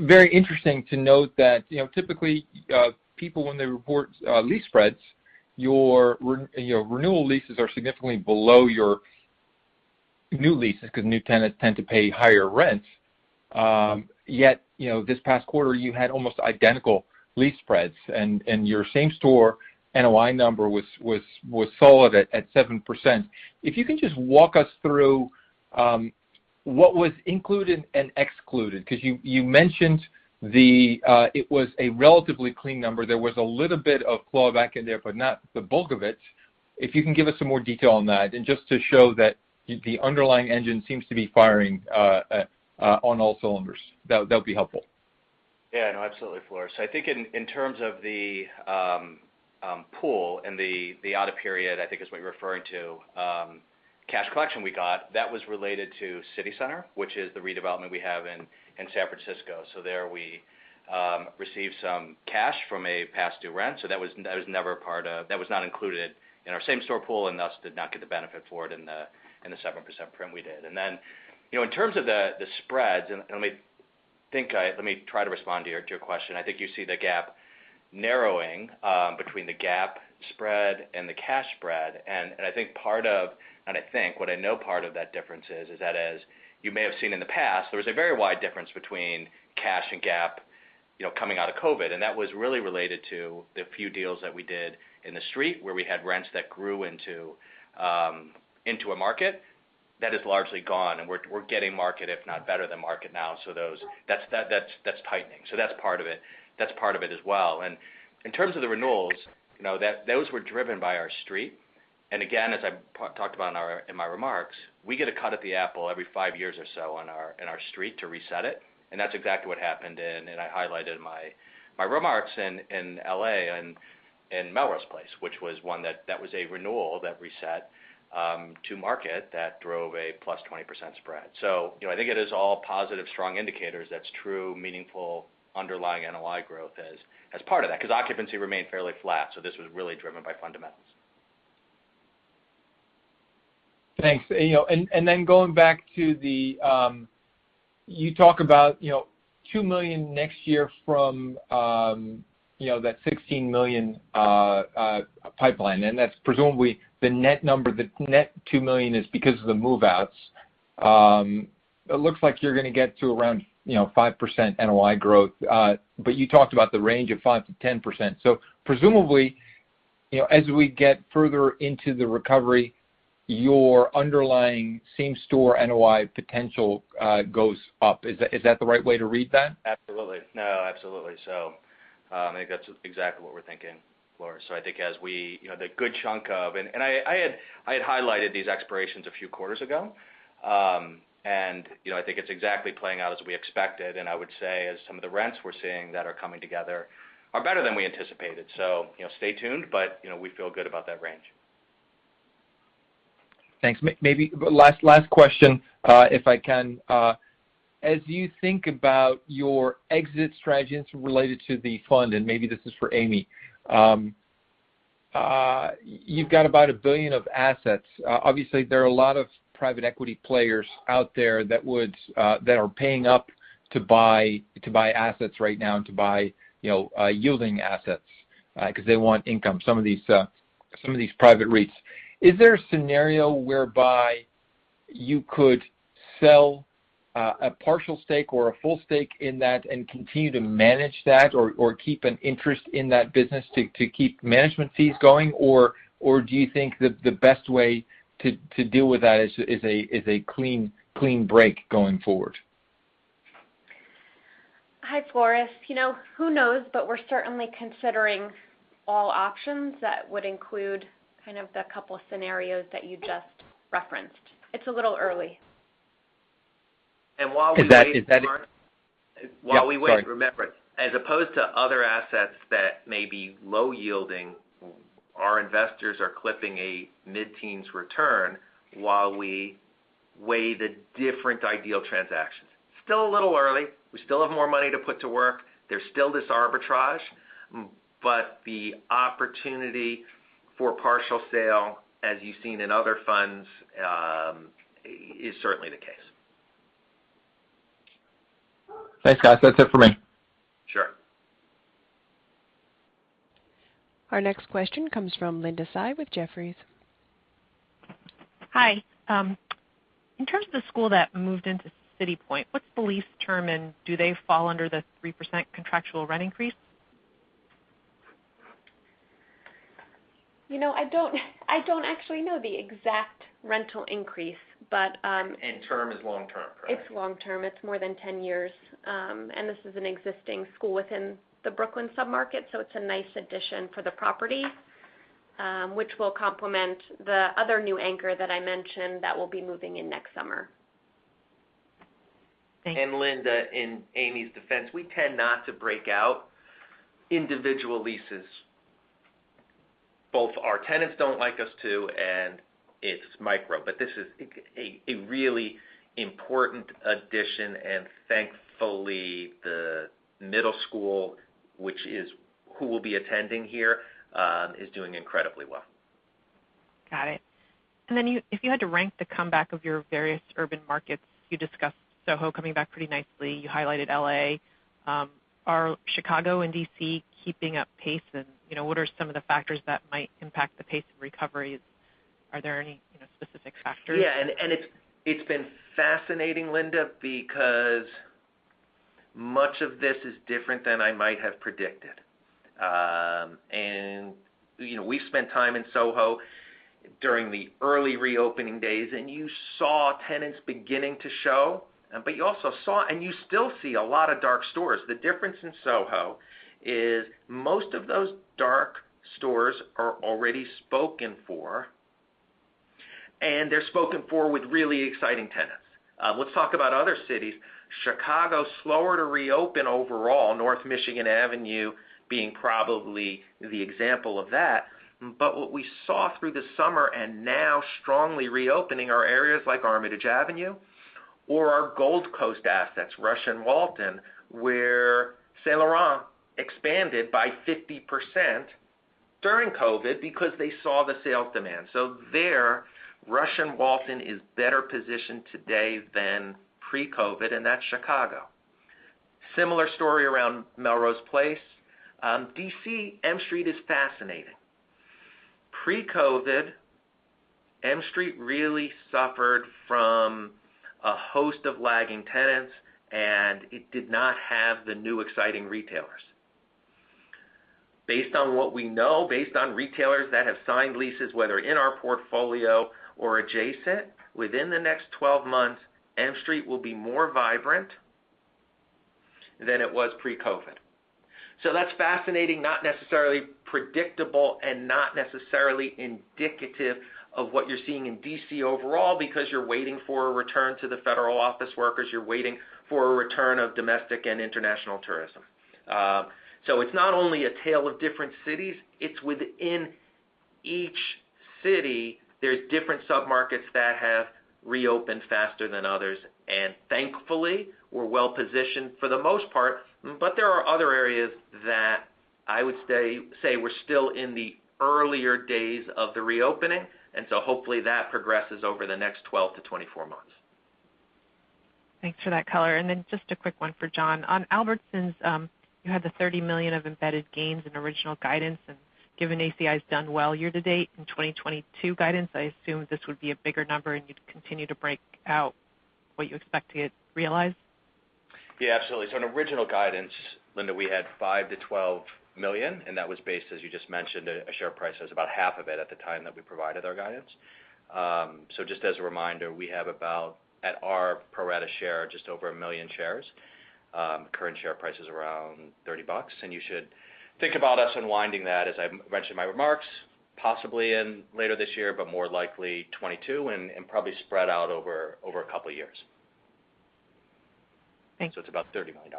S8: Very interesting to note that, you know, typically, people when they report lease spreads, your renewal leases are significantly below your new leases because new tenants tend to pay higher rents. Yet, you know, this past quarter, you had almost identical lease spreads, and your same store NOI number was solid at 7%. If you can just walk us through what was included and excluded. 'Cause you mentioned it was a relatively clean number. There was a little bit of clawback in there, but not the bulk of it. If you can give us some more detail on that, and just to show that the underlying engine seems to be firing on all cylinders. That would be helpful.
S4: Yeah, no, absolutely, Floris. I think in terms of the pool and the audit period, I think is what you're referring to, cash collection we got, that was related to City Center, which is the redevelopment we have in San Francisco. So there we received some cash from a past due rent, so that was not included in our same store pool and thus did not get the benefit for it in the 7% print we did. Then, you know, in terms of the spreads, let me think. Let me try to respond to your question. I think you see the gap narrowing between the gap spread and the cash spread. I think part of... I think part of that difference is that as you may have seen in the past, there was a very wide difference between cash and GAAP, you know, coming out of COVID, and that was really related to the few deals that we did in the street where we had rents that grew into a market. That is largely gone, and we're getting market if not better than market now. That's tightening. That's part of it. That's part of it as well. In terms of the renewals, you know, those were driven by our street. Again, as I talked about in my remarks, we get a cut at the apple every five years or so in our street to reset it, and that's exactly what happened. I highlighted my remarks in L.A. and Melrose Place, which was one that was a renewal that reset to market that drove a +20% spread. You know, I think it is all positive, strong indicators that's truly meaningful underlying NOI growth as part of that, 'cause occupancy remained fairly flat, so this was really driven by fundamentals.
S8: Thanks. You know, and then going back to the, you talk about, you know, $2 million next year from, you know, that $16 million pipeline, and that's presumably the net number. The net $2 million is because of the move-outs. It looks like you're gonna get to around, you know, 5% NOI growth. You talked about the range of 5%-10%. Presumably, you know, as we get further into the recovery, your underlying same-store NOI potential goes up. Is that the right way to read that?
S4: Absolutely. No, absolutely. I think that's exactly what we're thinking, Floris. You know, the good chunk of these expirations I had highlighted a few quarters ago. You know, I think it's exactly playing out as we expected. I would say, as some of the rents we're seeing that are coming together are better than we anticipated. You know, stay tuned, but you know, we feel good about that range.
S8: Thanks. Maybe last question, if I can. As you think about your exit strategies related to the fund, and maybe this is for Amy, you've got about $1 billion of assets. Obviously, there are a lot of private equity players out there that would that are paying up to buy assets right now and to buy, you know, yielding assets, 'cause they want income, some of these private REITs. Is there a scenario whereby you could sell a partial stake or a full stake in that and continue to manage that or keep an interest in that business to keep management fees going? Or do you think that the best way to deal with that is a clean break going forward?
S5: Hi, Floris. You know, who knows? We're certainly considering all options that would include kind of the couple of scenarios that you just referenced. It's a little early.
S4: While we wait, Floris.
S8: Is that?
S4: While we wait.
S8: Yeah, sorry.
S4: Remember, as opposed to other assets that may be low yielding, our investors are clipping a mid-teens return while we weigh the different ideal transactions. Still a little early. We still have more money to put to work. There's still this arbitrage. The opportunity for partial sale, as you've seen in other funds, is certainly the case.
S8: Thanks, guys. That's it for me.
S4: Sure.
S1: Our next question comes from Linda Tsai with Jefferies.
S9: Hi. In terms of the school that moved into City Point, what's the lease term, and do they fall under the 3% contractual rent increase?
S5: You know, I don't actually know the exact rental increase, but,
S4: Term is long-term, correct?
S5: It's long-term. It's more than 10 years. This is an existing school within the Brooklyn sub-market, so it's a nice addition for the property, which will complement the other new anchor that I mentioned that will be moving in next summer.
S3: Linda, in Amy's defense, we tend not to break out individual leases. Both our tenants don't like us to, and it's micro. This is a really important addition, and thankfully, the middle school, which is who will be attending here, is doing incredibly well.
S9: Got it. If you had to rank the comeback of your various urban markets, you discussed Soho coming back pretty nicely. You highlighted L.A. Are Chicago and D.C. keeping pace? You know, what are some of the factors that might impact the pace of recoveries? Are there any, you know, specific factors?
S3: Yeah. It's been fascinating, Linda, because much of this is different than I might have predicted. You know, we've spent time in Soho during the early reopening days, and you saw tenants beginning to show. You also saw and you still see a lot of dark stores. The difference in Soho is most of those dark stores are already spoken for, and they're spoken for with really exciting tenants. Let's talk about other cities. Chicago, slower to reopen overall, North Michigan Avenue being probably the example of that. What we saw through the summer and now strongly reopening are areas like Armitage Avenue or our Gold Coast assets, Rush and Walton, where Saint Laurent expanded by 50% during COVID because they saw the sales demand. There, Rush and Walton is better positioned today than pre-COVID, and that's Chicago. Similar story around Melrose Place. D.C., M Street is fascinating. Pre-COVID, M Street really suffered from a host of lagging tenants, and it did not have the new exciting retailers. Based on what we know, based on retailers that have signed leases, whether in our portfolio or adjacent, within the next 12 months, M Street will be more vibrant than it was pre-COVID. That's fascinating, not necessarily predictable, and not necessarily indicative of what you're seeing in D.C. overall because you're waiting for a return to the federal office workers, you're waiting for a return of domestic and international tourism. It's not only a tale of different cities, it's within each city, there's different sub-markets that have reopened faster than others. Thankfully, we're well-positioned for the most part, but there are other areas that I would say we're still in the earlier days of the reopening. Hopefully that progresses over the next 12-24 months.
S9: Thanks for that color. Just a quick one for John. On Albertsons, you had the $30 million of embedded gains in original guidance, and given ACI's done well year to date in 2022 guidance, I assume this would be a bigger number, and you'd continue to break out what you expect to get realized?
S4: Yeah, absolutely. In original guidance, Linda, we had $5 million-$12 million, and that was based, as you just mentioned, on a share price that was about half of it at the time that we provided our guidance. Just as a reminder, we have about, at our pro rata share, just over 1 million shares. Current share price is around $30, and you should think about us unwinding that, as I mentioned in my remarks, possibly later this year, but more likely 2022 and probably spread out over a couple of years.
S9: Thanks.
S4: It's about $30 million.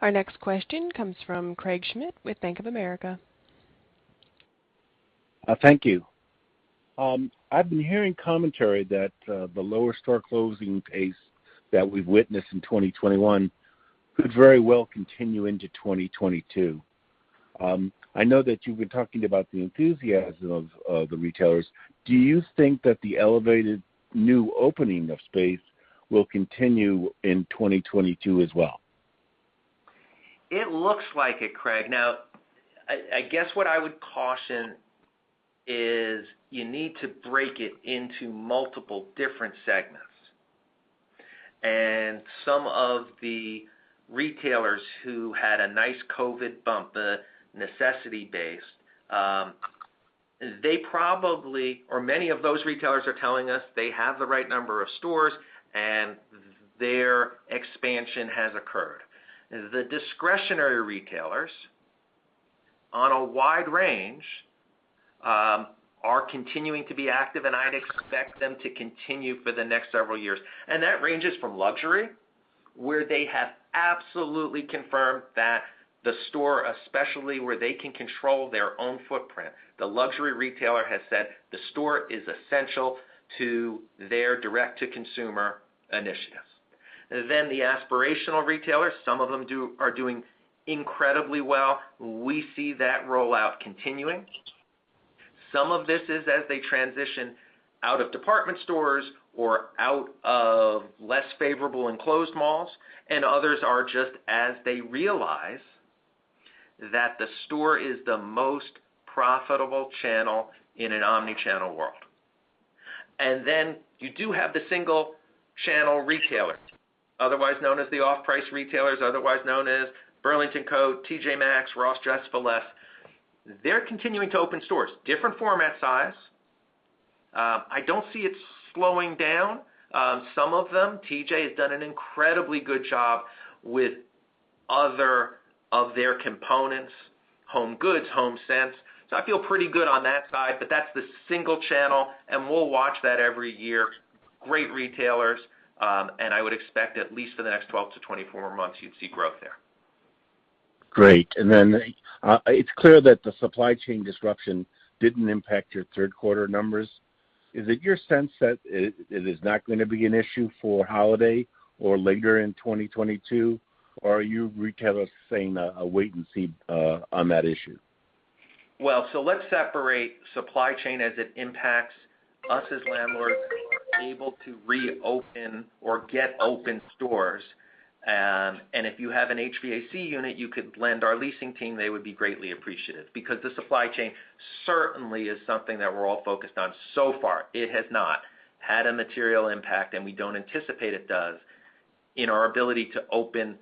S1: Our next question comes from Craig Schmidt with Bank of America.
S10: Thank you. I've been hearing commentary that the lower store closing pace that we've witnessed in 2021 could very well continue into 2022. I know that you've been talking about the enthusiasm of the retailers. Do you think that the elevated new opening of space will continue in 2022 as well?
S3: It looks like it, Craig. Now, I guess what I would caution is you need to break it into multiple different segments. Some of the retailers who had a nice COVID bump, the necessity base, they probably or many of those retailers are telling us they have the right number of stores and their expansion has occurred. The discretionary retailers on a wide range are continuing to be active, and I'd expect them to continue for the next several years. That ranges from luxury, where they have absolutely confirmed that the store, especially where they can control their own footprint, the luxury retailer has said the store is essential to their direct-to-consumer initiatives. The aspirational retailers, some of them are doing incredibly well. We see that rollout continuing. Some of this is as they transition out of department stores or out of less favorable enclosed malls, and others are just as they realize that the store is the most profitable channel in an omni-channel world. Then you do have the single channel retailers, otherwise known as the off-price retailers, otherwise known as Burlington Coat, TJ Maxx, Ross Dress for Less. They're continuing to open stores, different format size. I don't see it slowing down. Some of them, TJ has done an incredibly good job with other of their components, HomeGoods, HomeSense. I feel pretty good on that side, but that's the single channel, and we'll watch that every year. Great retailers, and I would expect at least for the next 12-24 months, you'd see growth there.
S10: Great. It's clear that the supply chain disruption didn't impact your third quarter numbers. Is it your sense that it is not gonna be an issue for holiday or later in 2022? Or are your retailers saying a wait and see on that issue?
S3: Well, let's separate supply chain as it impacts us as landlords who are able to reopen or get open stores. If you have an HVAC unit you could lend our leasing team, they would be greatly appreciative. Because the supply chain certainly is something that we're all focused on. So far, it has not had a material impact, and we don't anticipate it does in our ability to open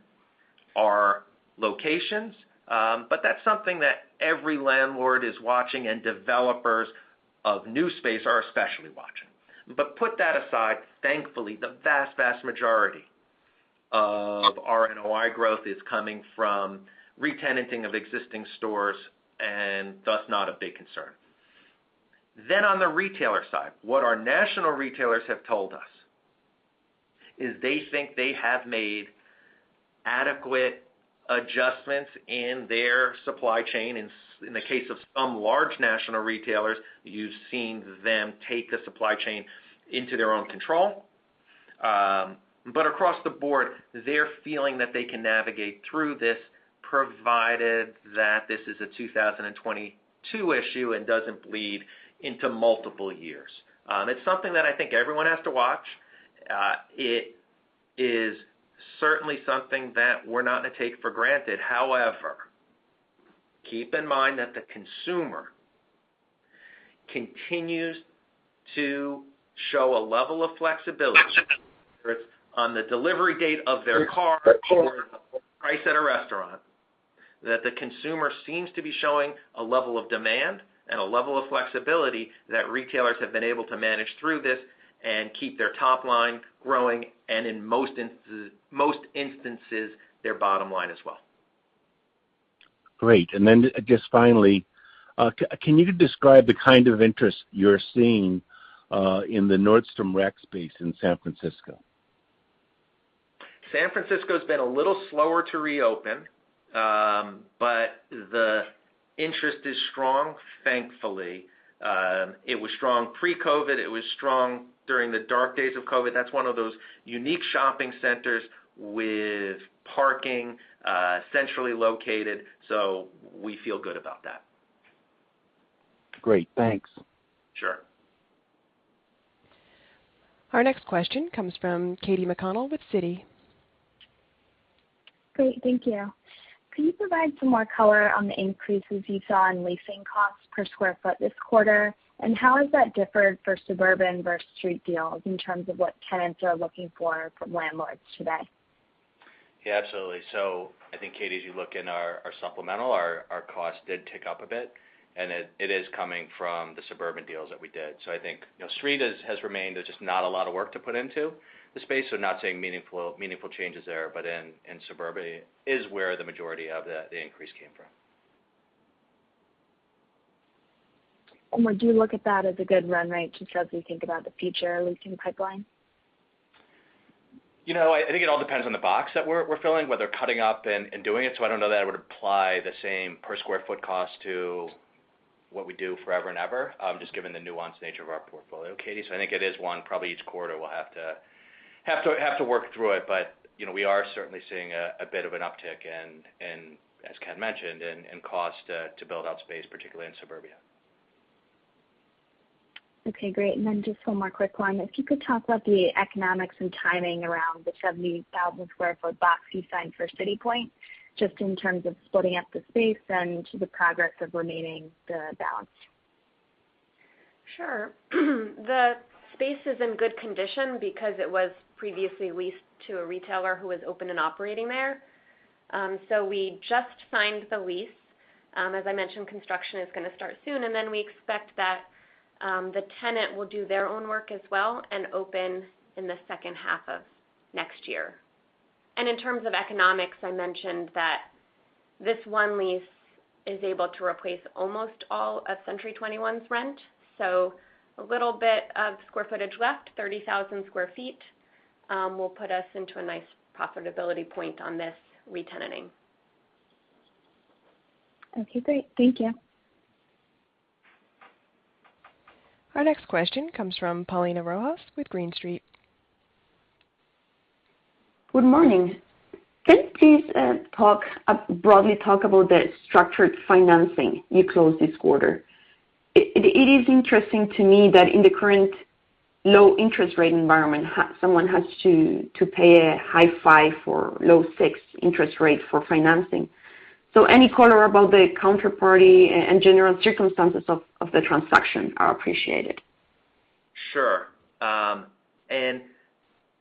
S3: our locations. That's something that every landlord is watching and developers of new space are especially watching. Put that aside, thankfully, the vast majority of RNOI growth is coming from retenanting of existing stores and, thus, not a big concern. On the retailer side, what our national retailers have told us is they think they have made adequate adjustments in their supply chain. In the case of some large national retailers, you've seen them take the supply chain into their own control. Across the board, they're feeling that they can navigate through this, provided that this is a 2022 issue and doesn't bleed into multiple years. It's something that I think everyone has to watch. It is certainly something that we're not gonna take for granted. However, keep in mind that the consumer continues to show a level of flexibility, whether it's on the delivery date of their car or the price at a restaurant, that the consumer seems to be showing a level of demand and a level of flexibility that retailers have been able to manage through this and keep their top line growing and in most instances, their bottom line as well.
S10: Great. Just finally, can you describe the kind of interest you're seeing in the Nordstrom Rack space in San Francisco?
S3: San Francisco's been a little slower to reopen, but the interest is strong, thankfully. It was strong pre-COVID. It was strong during the dark days of COVID. That's one of those unique shopping centers with parking, centrally located, so we feel good about that.
S10: Great. Thanks.
S3: Sure.
S1: Our next question comes from Katy McConnell with Citi.
S11: Great. Thank you. Can you provide some more color on the increases you saw in leasing costs per sq ft this quarter? How has that differed for suburban versus street deals in terms of what tenants are looking for from landlords today?
S4: Yeah, absolutely. I think, Katy, as you look in our supplemental, our costs did tick up a bit, and it is coming from the suburban deals that we did. I think, you know, Street has remained. There's just not a lot of work to put into the space, so not seeing meaningful changes there. In suburbia is where the majority of the increase came from.
S11: Would you look at that as a good run rate just as we think about the future leasing pipeline?
S4: You know, I think it all depends on the box that we're filling, whether cutting up and doing it. I don't know that I would apply the same per sq ft cost to what we do forever and ever, just given the nuanced nature of our portfolio, Katy. I think it is one probably each quarter we'll have to work through it. You know, we are certainly seeing a bit of an uptick and as Ken mentioned, in cost to build out space, particularly in suburbia.
S11: Okay, great. Just one more quick one. If you could talk about the economics and timing around the 70,000 sq ft box you signed for City Point, just in terms of splitting up the space and the progress of re-leasing the balance?
S5: Sure. The space is in good condition because it was previously leased to a retailer who was open and operating there. We just signed the lease. As I mentioned, construction is gonna start soon, and then we expect that the tenant will do their own work as well and open in the second half of next year. In terms of economics, I mentioned that this one lease is able to replace almost all of Century 21's rent. A little bit of square footage left, 30,000 sq ft, will put us into a nice profitability point on this retenanting.
S11: Okay, great. Thank you.
S1: Our next question comes from Paulina Rojas with Green Street.
S12: Good morning. Can you please broadly talk about the structured financing you closed this quarter? It is interesting to me that in the current low interest rate environment someone has to pay a high 5% or low 6% interest rate for financing. Any color about the counterparty and general circumstances of the transaction are appreciated.
S3: Sure.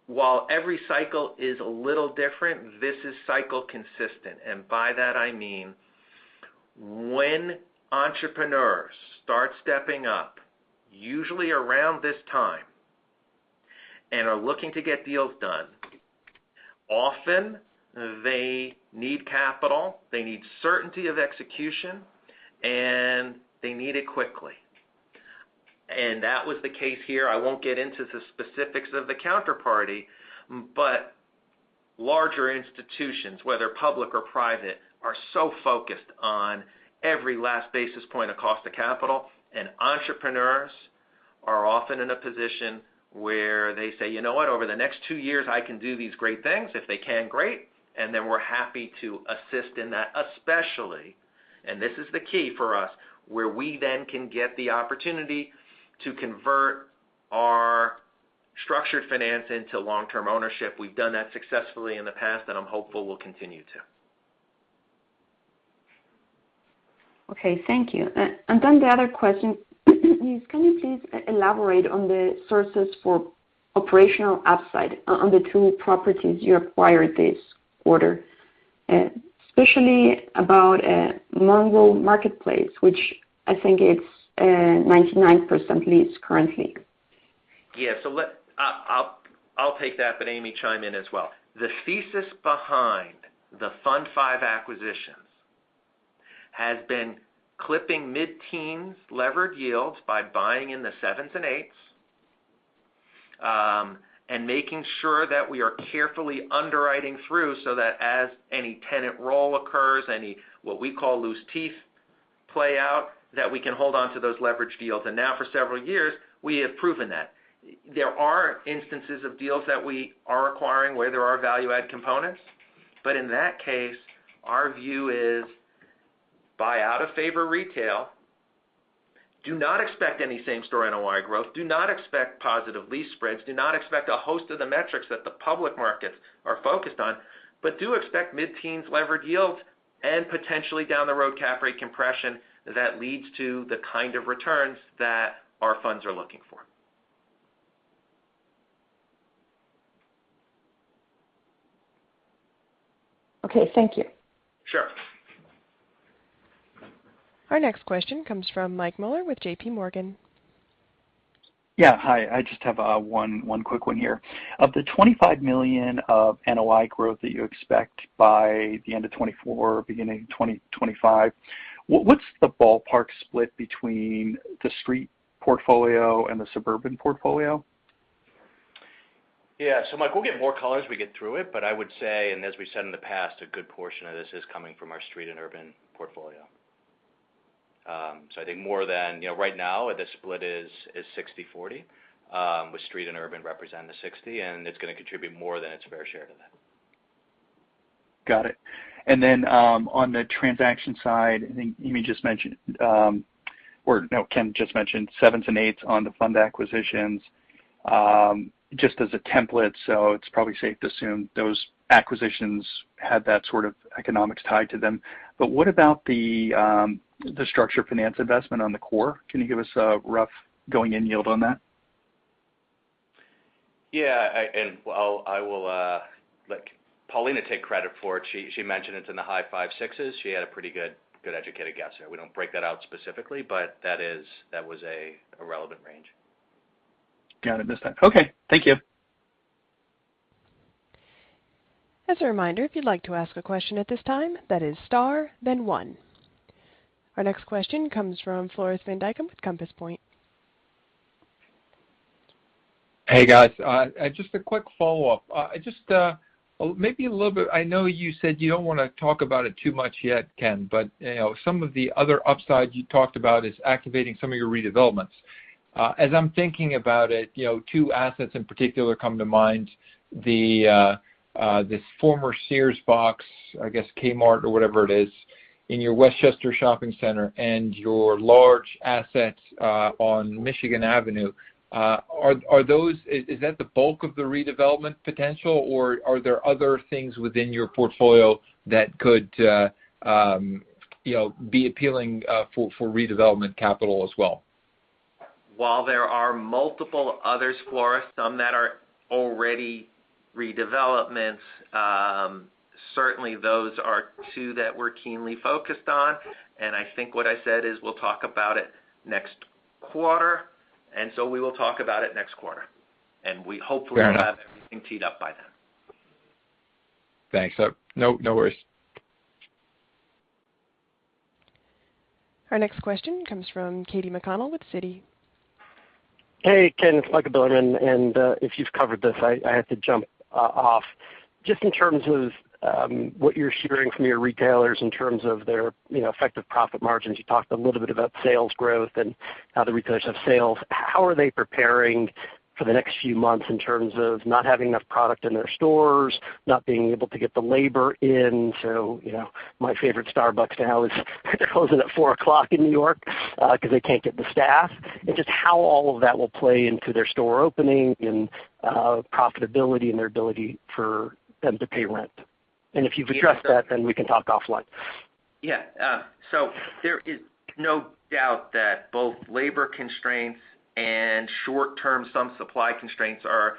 S3: While every cycle is a little different, this cycle is consistent. By that I mean, when entrepreneurs start stepping up, usually around this time, and are looking to get deals done, often they need capital, they need certainty of execution, and they need it quickly. That was the case here. I won't get into the specifics of the counterparty, but larger institutions, whether public or private, are so focused on every last basis point of cost of capital. Entrepreneurs are often in a position where they say, "You know what? Over the next two years, I can do these great things." If they can, great, and then we're happy to assist in that, especially, and this is the key for us, where we then can get the opportunity to convert our structured finance into long-term ownership. We've done that successfully in the past, and I'm hopeful we'll continue to.
S12: Okay, thank you. Then the other question is, can you please elaborate on the sources for operational upside on the two properties you acquired this quarter? Especially about Monroe Marketplace, which I think it's 99% leased currently.
S3: Yeah. I'll take that, but Amy, chime in as well. The thesis behind the fund five acquisitions has been clipping mid-teens levered yields by buying in the 7s and 8s, and making sure that we are carefully underwriting through so that as any tenant roll occurs, any, what we call loose teeth play out, that we can hold onto those levered deals. Now for several years, we have proven that. There are instances of deals that we are acquiring where there are value-add components. In that case, our view is buy out of favor retail, do not expect any same-store NOI growth, do not expect positive lease spreads, do not expect a host of the metrics that the public markets are focused on, but do expect mid-teens levered yields and potentially down the road cap rate compression that leads to the kind of returns that our funds are looking for.
S12: Okay, thank you.
S3: Sure.
S1: Our next question comes from Mike Mueller with JPMorgan.
S13: Yeah. Hi. I just have one quick one here. Of the $25 million of NOI growth that you expect by the end of 2024, beginning 2025, what's the ballpark split between the street portfolio and the suburban portfolio?
S4: Yeah. Mike, we'll get more color as we get through it, but I would say, and as we said in the past, a good portion of this is coming from our street and urban portfolio. I think more than, you know, right now, the split is 60/40, with street and urban representing the 60, and it's gonna contribute more than its fair share to that. Got it. On the transaction side, I think Amy just mentioned, or no, Ken just mentioned 7s and 8s on the fund acquisitions, just as a template, so it's probably safe to assume those acquisitions had that sort of economics tied to them. What about the structured finance investment on the core? Can you give us a rough going-in yield on that? Well, I will let Paulina Rojas take credit for it. She mentioned it's in the high 50s. She had a pretty good educated guess there. We don't break that out specifically, but that was a relevant range.
S13: Got it this time. Okay, thank you.
S1: As a reminder, if you'd like to ask a question at this time, that is star then one. Our next question comes from Floris van Dijkum with Compass Point.
S8: Hey, guys. Just a quick follow-up. I just maybe a little bit. I know you said you don't wanna talk about it too much yet, Ken, but you know, some of the other upside you talked about is activating some of your redevelopments. As I'm thinking about it, you know, two assets in particular come to mind, the former Sears box, I guess Kmart or whatever it is, in your Westchester shopping center and your large asset on Michigan Avenue. Are those—is that the bulk of the redevelopment potential, or are there other things within your portfolio that could you know, be appealing for redevelopment capital as well?
S3: While there are multiple others, Floris, some that are already redevelopments, certainly those are two that we're keenly focused on. I think what I said is we'll talk about it next quarter, and so we will talk about it next quarter. We hope.
S8: Fair enough.
S3: We'll have everything teed up by then.
S8: Thanks. No worries.
S1: Our next question comes from Kathleen McConnell with Citi.
S14: Hey, Ken. It's Michael Bilerman. If you've covered this, I have to jump off. Just in terms of what you're hearing from your retailers in terms of their, you know, effective profit margins. You talked a little bit about sales growth and how the retailers have sales. How are they preparing for the next few months in terms of not having enough product in their stores, not being able to get the labor in? You know, my favorite Starbucks now is they're closing at 4:00 P.M. in New York 'cause they can't get the staff. Just how all of that will play into their store opening and profitability and their ability for them to pay rent. If you've addressed that, then we can talk offline.
S3: There is no doubt that both labor constraints and short-term some supply constraints are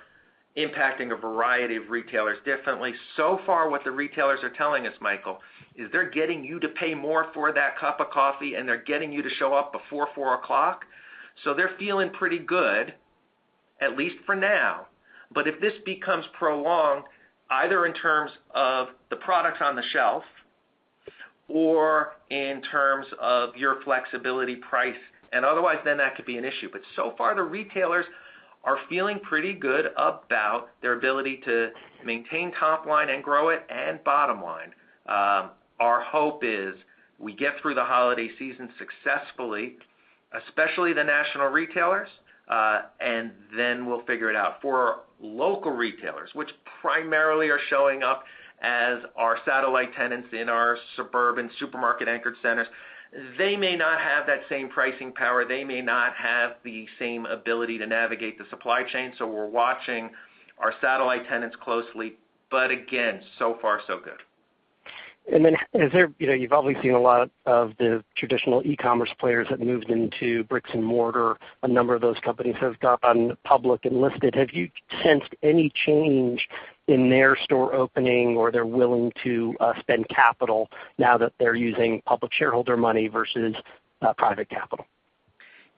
S3: impacting a variety of retailers differently. So far, what the retailers are telling us, Michael, is they're getting you to pay more for that cup of coffee, and they're getting you to show up before four o'clock. They're feeling pretty good, at least for now. If this becomes prolonged, either in terms of the products on the shelf or in terms of your flexibility pricing and otherwise, that could be an issue. So far, the retailers are feeling pretty good about their ability to maintain top line and grow it and bottom line. Our hope is we get through the holiday season successfully, especially the national retailers, and then we'll figure it out. For local retailers, which primarily are showing up as our satellite tenants in our suburban supermarket anchored centers, they may not have that same pricing power. They may not have the same ability to navigate the supply chain. We're watching our satellite tenants closely. Again, so far so good.
S14: Then, is there—you know, you've probably seen a lot of the traditional e-commerce players that moved into bricks and mortar. A number of those companies have gone public and listed. Have you sensed any change in their store opening, or they're willing to spend capital now that they're using public shareholder money versus private capital?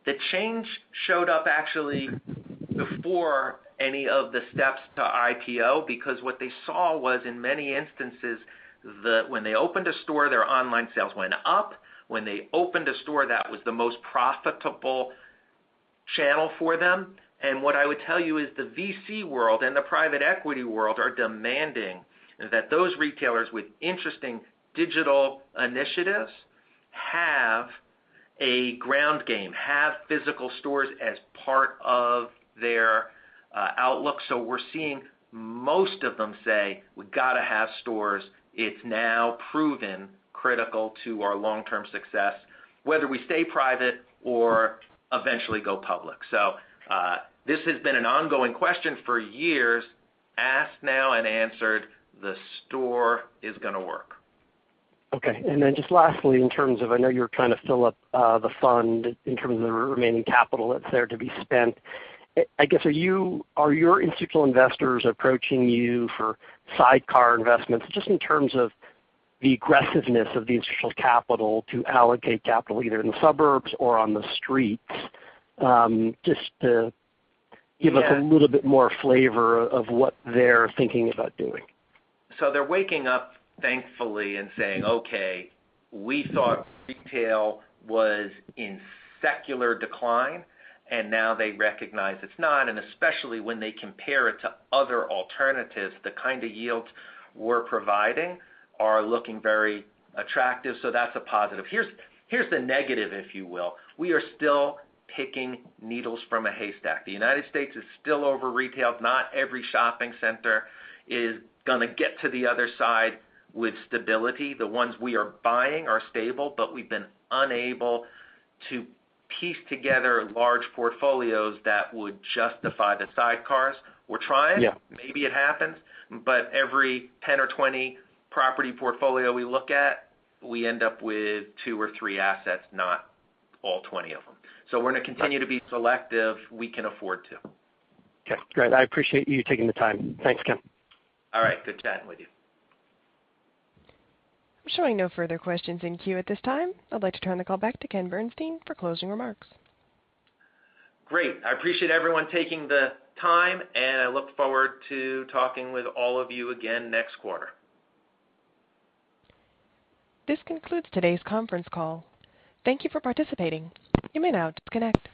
S3: The change showed up actually before any of the steps to IPO, because what they saw was, in many instances, when they opened a store, their online sales went up. When they opened a store, that was the most profitable channel for them. What I would tell you is the VC world and the private equity world are demanding that those retailers with interesting digital initiatives have a ground game, have physical stores as part of their outlook. We're seeing most of them say, "We've gotta have stores. It's now proven critical to our long-term success, whether we stay private or eventually go public." This has been an ongoing question for years, asked now and answered, the store is gonna work.
S14: Okay. Just lastly, in terms of, I know you're trying to fill up the fund in terms of the remaining capital that's there to be spent. I guess, are your institutional investors approaching you for sidecar investments, just in terms of the aggressiveness of the institutional capital to allocate capital either in the suburbs or on the streets? Just to give us-
S3: Yeah.
S14: a little bit more flavor of what they're thinking about doing.
S3: They're waking up, thankfully, and saying, "Okay, we thought retail was in secular decline," and now they recognize it's not, and especially when they compare it to other alternatives, the kind of yields we're providing are looking very attractive. That's a positive. Here's the negative, if you will. We are still picking needles from a haystack. The United States is still over retailed. Not every shopping center is gonna get to the other side with stability. The ones we are buying are stable, but we've been unable to piece together large portfolios that would justify the sidecars. We're trying.
S14: Yeah.
S3: Maybe it happens, but every 10 or 20 property portfolio we look at, we end up with 2 or 3 assets, not all 20 of them. We're gonna continue to be selective. We can afford to.
S14: Okay, great. I appreciate you taking the time. Thanks, Ken.
S3: All right. Good chatting with you.
S1: We're showing no further questions in queue at this time. I'd like to turn the call back to Ken Bernstein for closing remarks.
S3: Great. I appreciate everyone taking the time, and I look forward to talking with all of you again next quarter.
S1: This concludes today's conference call. Thank you for participating. You may now disconnect.